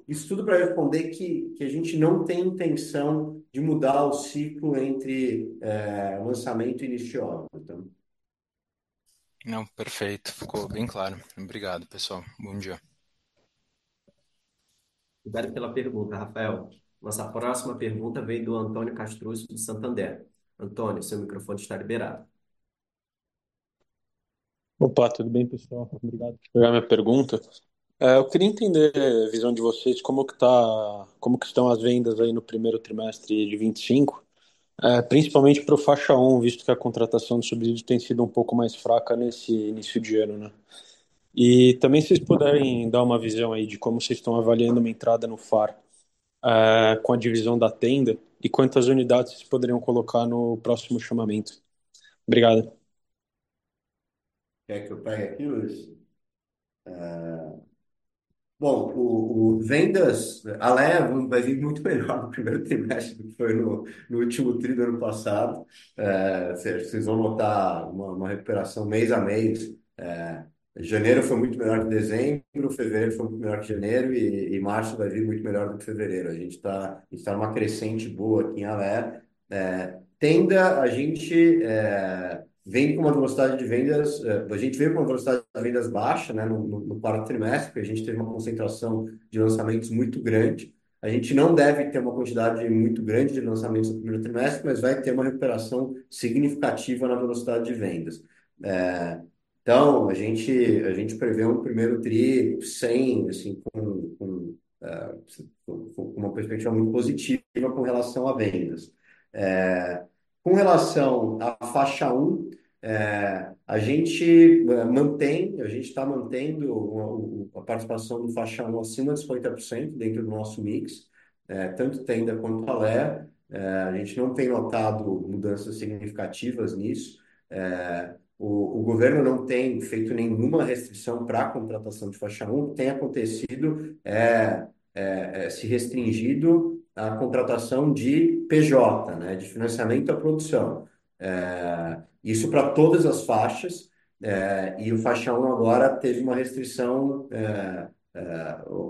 Isso tudo pra responder que a gente não tem a intenção de mudar o ciclo entre o lançamento e início de obra. Não, perfeito. Ficou bem claro. Obrigado, pessoal. Bom dia. Obrigado pela pergunta, Rafael. Nossa próxima pergunta veio do Antônio Castro Filho, do Santander. Antônio, seu microfone está liberado. Opa, tudo bem, pessoal? Obrigado por pegar minha pergunta. Eu queria entender a visão de vocês como que tá, como que estão as vendas aí no primeiro trimestre de 2025, principalmente pro faixa 1, visto que a contratação do subsídio tem sido um pouco mais fraca nesse início de ano, né? E também se vocês puderem dar uma visão aí de como cês tão avaliando uma entrada no FAR, com a divisão da Tenda e quantas unidades vocês poderiam colocar no próximo chamamento. Obrigado. Quer que eu pegue aqui, Luiz? Vendas, a Alea vai vir muito melhor no primeiro trimestre do que foi no último tri do ano passado. Vocês vão notar uma recuperação mês a mês. Janeiro foi muito melhor que dezembro, fevereiro foi muito melhor que janeiro e março vai vir muito melhor do que fevereiro. A gente tá numa crescente boa aqui em Alea. Tenda a gente vem com uma velocidade de vendas, a gente veio com uma velocidade de vendas baixa, né, no quarto trimestre, porque a gente teve uma concentração de lançamentos muito grande. A gente não deve ter uma quantidade muito grande de lançamentos no primeiro trimestre, mas vai ter uma recuperação significativa na velocidade de vendas. A gente prevê um primeiro trimestre com uma perspectiva muito positiva com relação a vendas. Com relação à faixa 1, a gente tá mantendo a participação da faixa 1 acima de 40% dentro do nosso mix, tanto Tenda quanto Alea. A gente não tem notado mudanças significativas nisso. O governo não tem feito nenhuma restrição pra contratação de faixa 1. O que tem acontecido é se restringindo à contratação de PJ, né, de financiamento à produção. Isso pra todas as faixas, e a faixa 1 agora teve uma restrição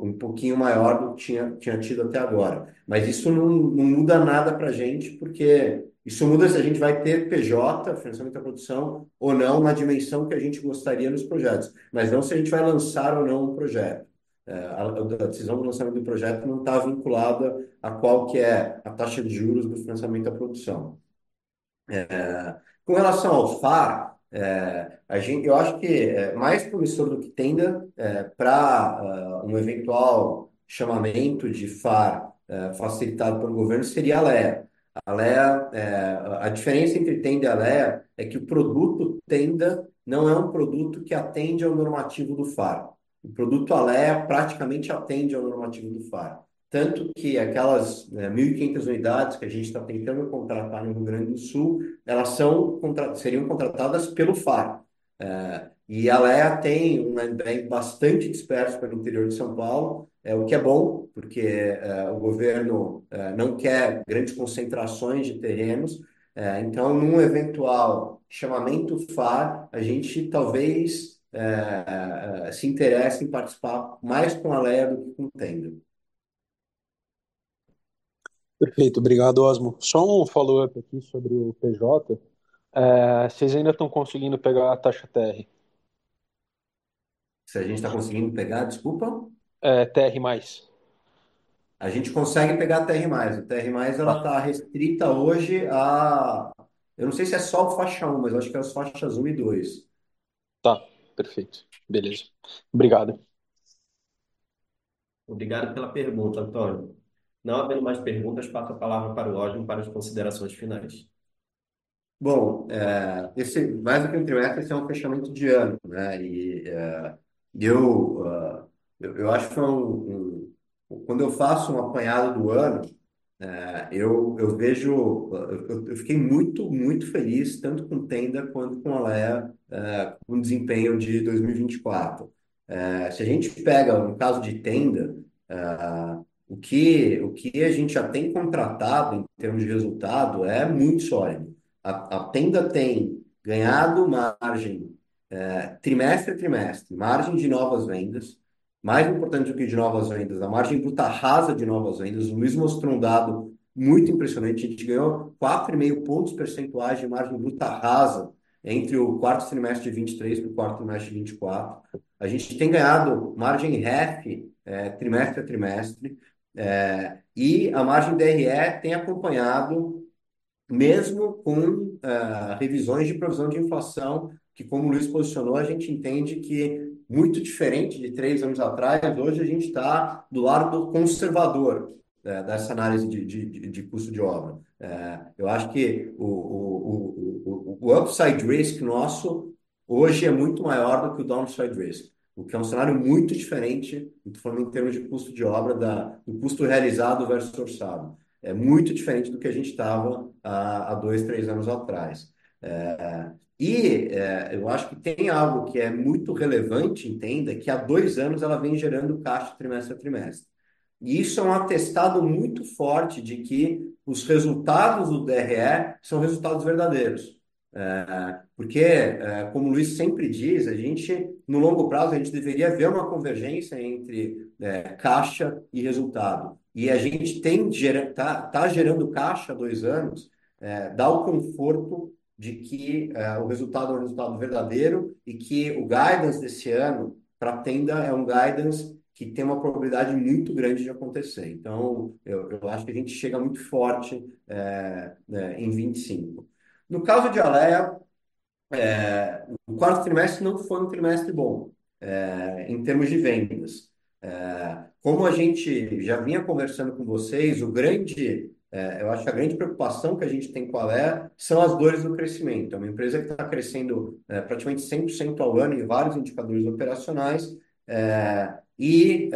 um pouquinho maior do que tinha tido até agora. Isso não muda nada pra gente, porque isso muda se a gente vai ter PJ, financiamento à produção, ou não na dimensão que a gente gostaria nos projetos, mas não se a gente vai lançar ou não o projeto. A decisão do lançamento do projeto não tá vinculada a qual é a taxa de juros do financiamento à produção. Com relação ao FAR, eu acho que mais promissor do que Tenda pra um eventual chamamento de FAR facilitado por governo seria a Alea. A Alea, a diferença entre Tenda e Alea é que o produto Tenda não é um produto que atende ao normativo do FAR. O produto Alea praticamente atende ao normativo do FAR. Tanto que aquelas 1,500 unidades que a gente tá tentando contratar no Rio Grande do Sul, elas seriam contratadas pelo FAR. E a Alea tem um landbank bastante disperso pelo interior de São Paulo, o que é bom, porque o governo não quer grandes concentrações de terrenos. Então num eventual chamamento FAR, a gente talvez se interesse em participar mais com a Alea do que com Tenda. Perfeito, obrigado Osmo. Só um follow-up aqui sobre o TR, cês ainda tão conseguindo pegar a taxa TR? Se a gente tá conseguindo pegar, desculpa? TR+. A gente consegue pegar TR+. O TR+ ela tá restrita hoje, eu não sei se é só faixa 1, mas eu acho que é as faixas 1 e 2. Tá, perfeito. Beleza. Obrigado. Obrigado pela pergunta, Antônio. Não havendo mais perguntas, passo a palavra para o Ósmo para as considerações finais. Bom, esse mais do que um trimestre, esse é um fechamento de ano, né? Eu acho que é quando eu faço um apanhado do ano, eu vejo. Eu fiquei muito feliz tanto com Tenda quanto com Alea, com o desempenho de 2024. Se a gente pega o caso de Tenda, o que a gente já tem contratado em termos de resultado é muito sólido. A Tenda tem ganhado margem trimestre a trimestre, margem de novas vendas, mais importante do que de novas vendas, a margem bruta rasa de novas vendas. O Luiz mostrou um dado muito impressionante, a gente ganhou 4.5 pontos percentuais de margem bruta rasa entre o quarto trimestre de 2023 pro quarto trimestre de 2024. A gente tem ganhado margem REF trimestre a trimestre, e a margem DRE tem acompanhado mesmo com revisões de provisão de inflação, que como o Luiz posicionou, a gente entende que muito diferente de três anos atrás, hoje a gente tá do lado conservador dessa análise de custo de obra. Eu acho que o upside risk nosso hoje é muito maior do que o downside risk, o que é um cenário muito diferente, muito falando em termos de custo de obra do custo realizado versus orçado. É muito diferente do que a gente tava há 2, 3 anos atrás. Eu acho que tem algo que é muito relevante em Tenda, que há 2 anos ela vem gerando caixa trimestre a trimestre. Isso é um atestado muito forte de que os resultados do DRE são resultados verdadeiros. Porque, como o Luiz sempre diz, a gente no longo prazo, a gente deveria ver uma convergência entre caixa e resultado. A gente tem está gerando caixa há 2 anos, dá o conforto de que o resultado é um resultado verdadeiro e que o guidance desse ano pra Tenda é um guidance que tem uma probabilidade muito grande de acontecer. Eu acho que a gente chega muito forte, né, em 2025. No caso de Alea, o quarto trimestre não foi um trimestre bom em termos de vendas. Como a gente já vinha conversando com vocês, o grande eu acho que a grande preocupação que a gente tem com Alea são as dores do crescimento. É uma empresa que tá crescendo praticamente 100% ao ano em vários indicadores operacionais e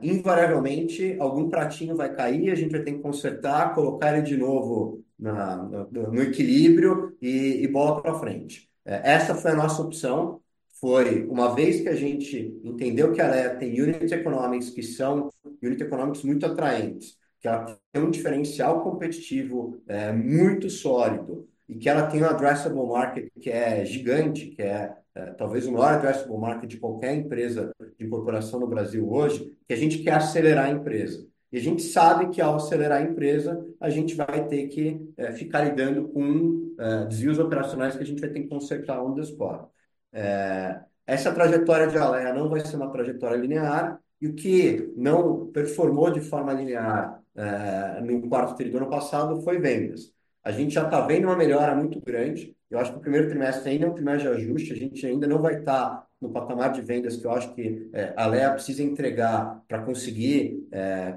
invariavelmente algum pratinho vai cair e a gente vai ter que consertar, colocar ele de novo na no equilíbrio e bola pra frente. Essa foi a nossa opção, foi uma vez que a gente entendeu que a Alea tem unit economics que são muito atraentes, que ela tem um diferencial competitivo muito sólido e que ela tem um addressable market que é gigante, talvez o maior addressable market de qualquer empresa de construção no Brasil hoje, que a gente quer acelerar a empresa. A gente sabe que ao acelerar a empresa, a gente vai ter que ficar lidando com desvios operacionais que a gente vai ter que consertar on the spot. Essa trajetória de Alea não vai ser uma trajetória linear e o que não performou de forma linear no quarto tri do ano passado foi vendas. A gente já tá vendo uma melhora muito grande. Eu acho que o primeiro trimestre ainda é um trimestre de ajuste, a gente ainda não vai tá no patamar de vendas que eu acho que Alea precisa entregar pra conseguir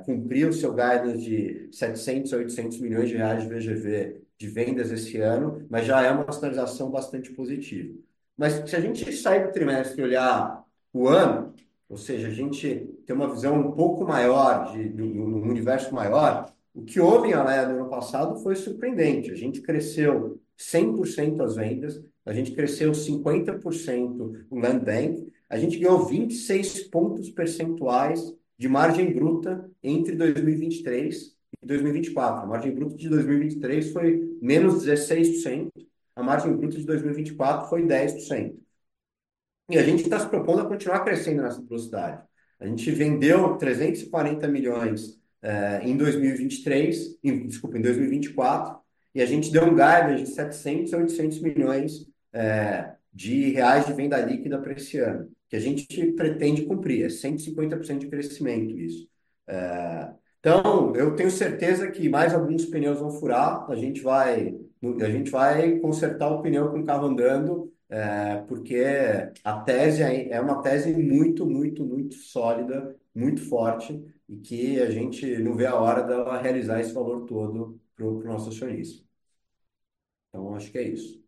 cumprir o seu guidance de 700-800 million reais de VGV de vendas esse ano, mas já é uma sinalização bastante positiva. Se a gente sair do trimestre e olhar o ano, ou seja, a gente ter uma visão um pouco maior de um universo maior, o que houve em Alea no ano passado foi surpreendente. A gente cresceu 100% as vendas, a gente cresceu 50% o landbank, a gente ganhou 26 pontos percentuais de margem bruta entre 2023 e 2024. A margem bruta de 2023 foi -16%, a margem bruta de 2024 foi 10%. A gente tá se propondo a continuar crescendo nessa velocidade. A gente vendeu 340 million em 2023, desculpe, em 2024, e a gente deu um guidance de 700 million-800 million de venda líquida pra esse ano, que a gente pretende cumprir, 150% de crescimento isso. Eu tenho certeza que mais alguns pneus vão furar, a gente vai consertar o pneu com o carro andando, porque a tese é uma tese muito sólida, muito forte e que a gente não vê a hora dela realizar esse valor todo pro nosso acionista. Acho que é isso.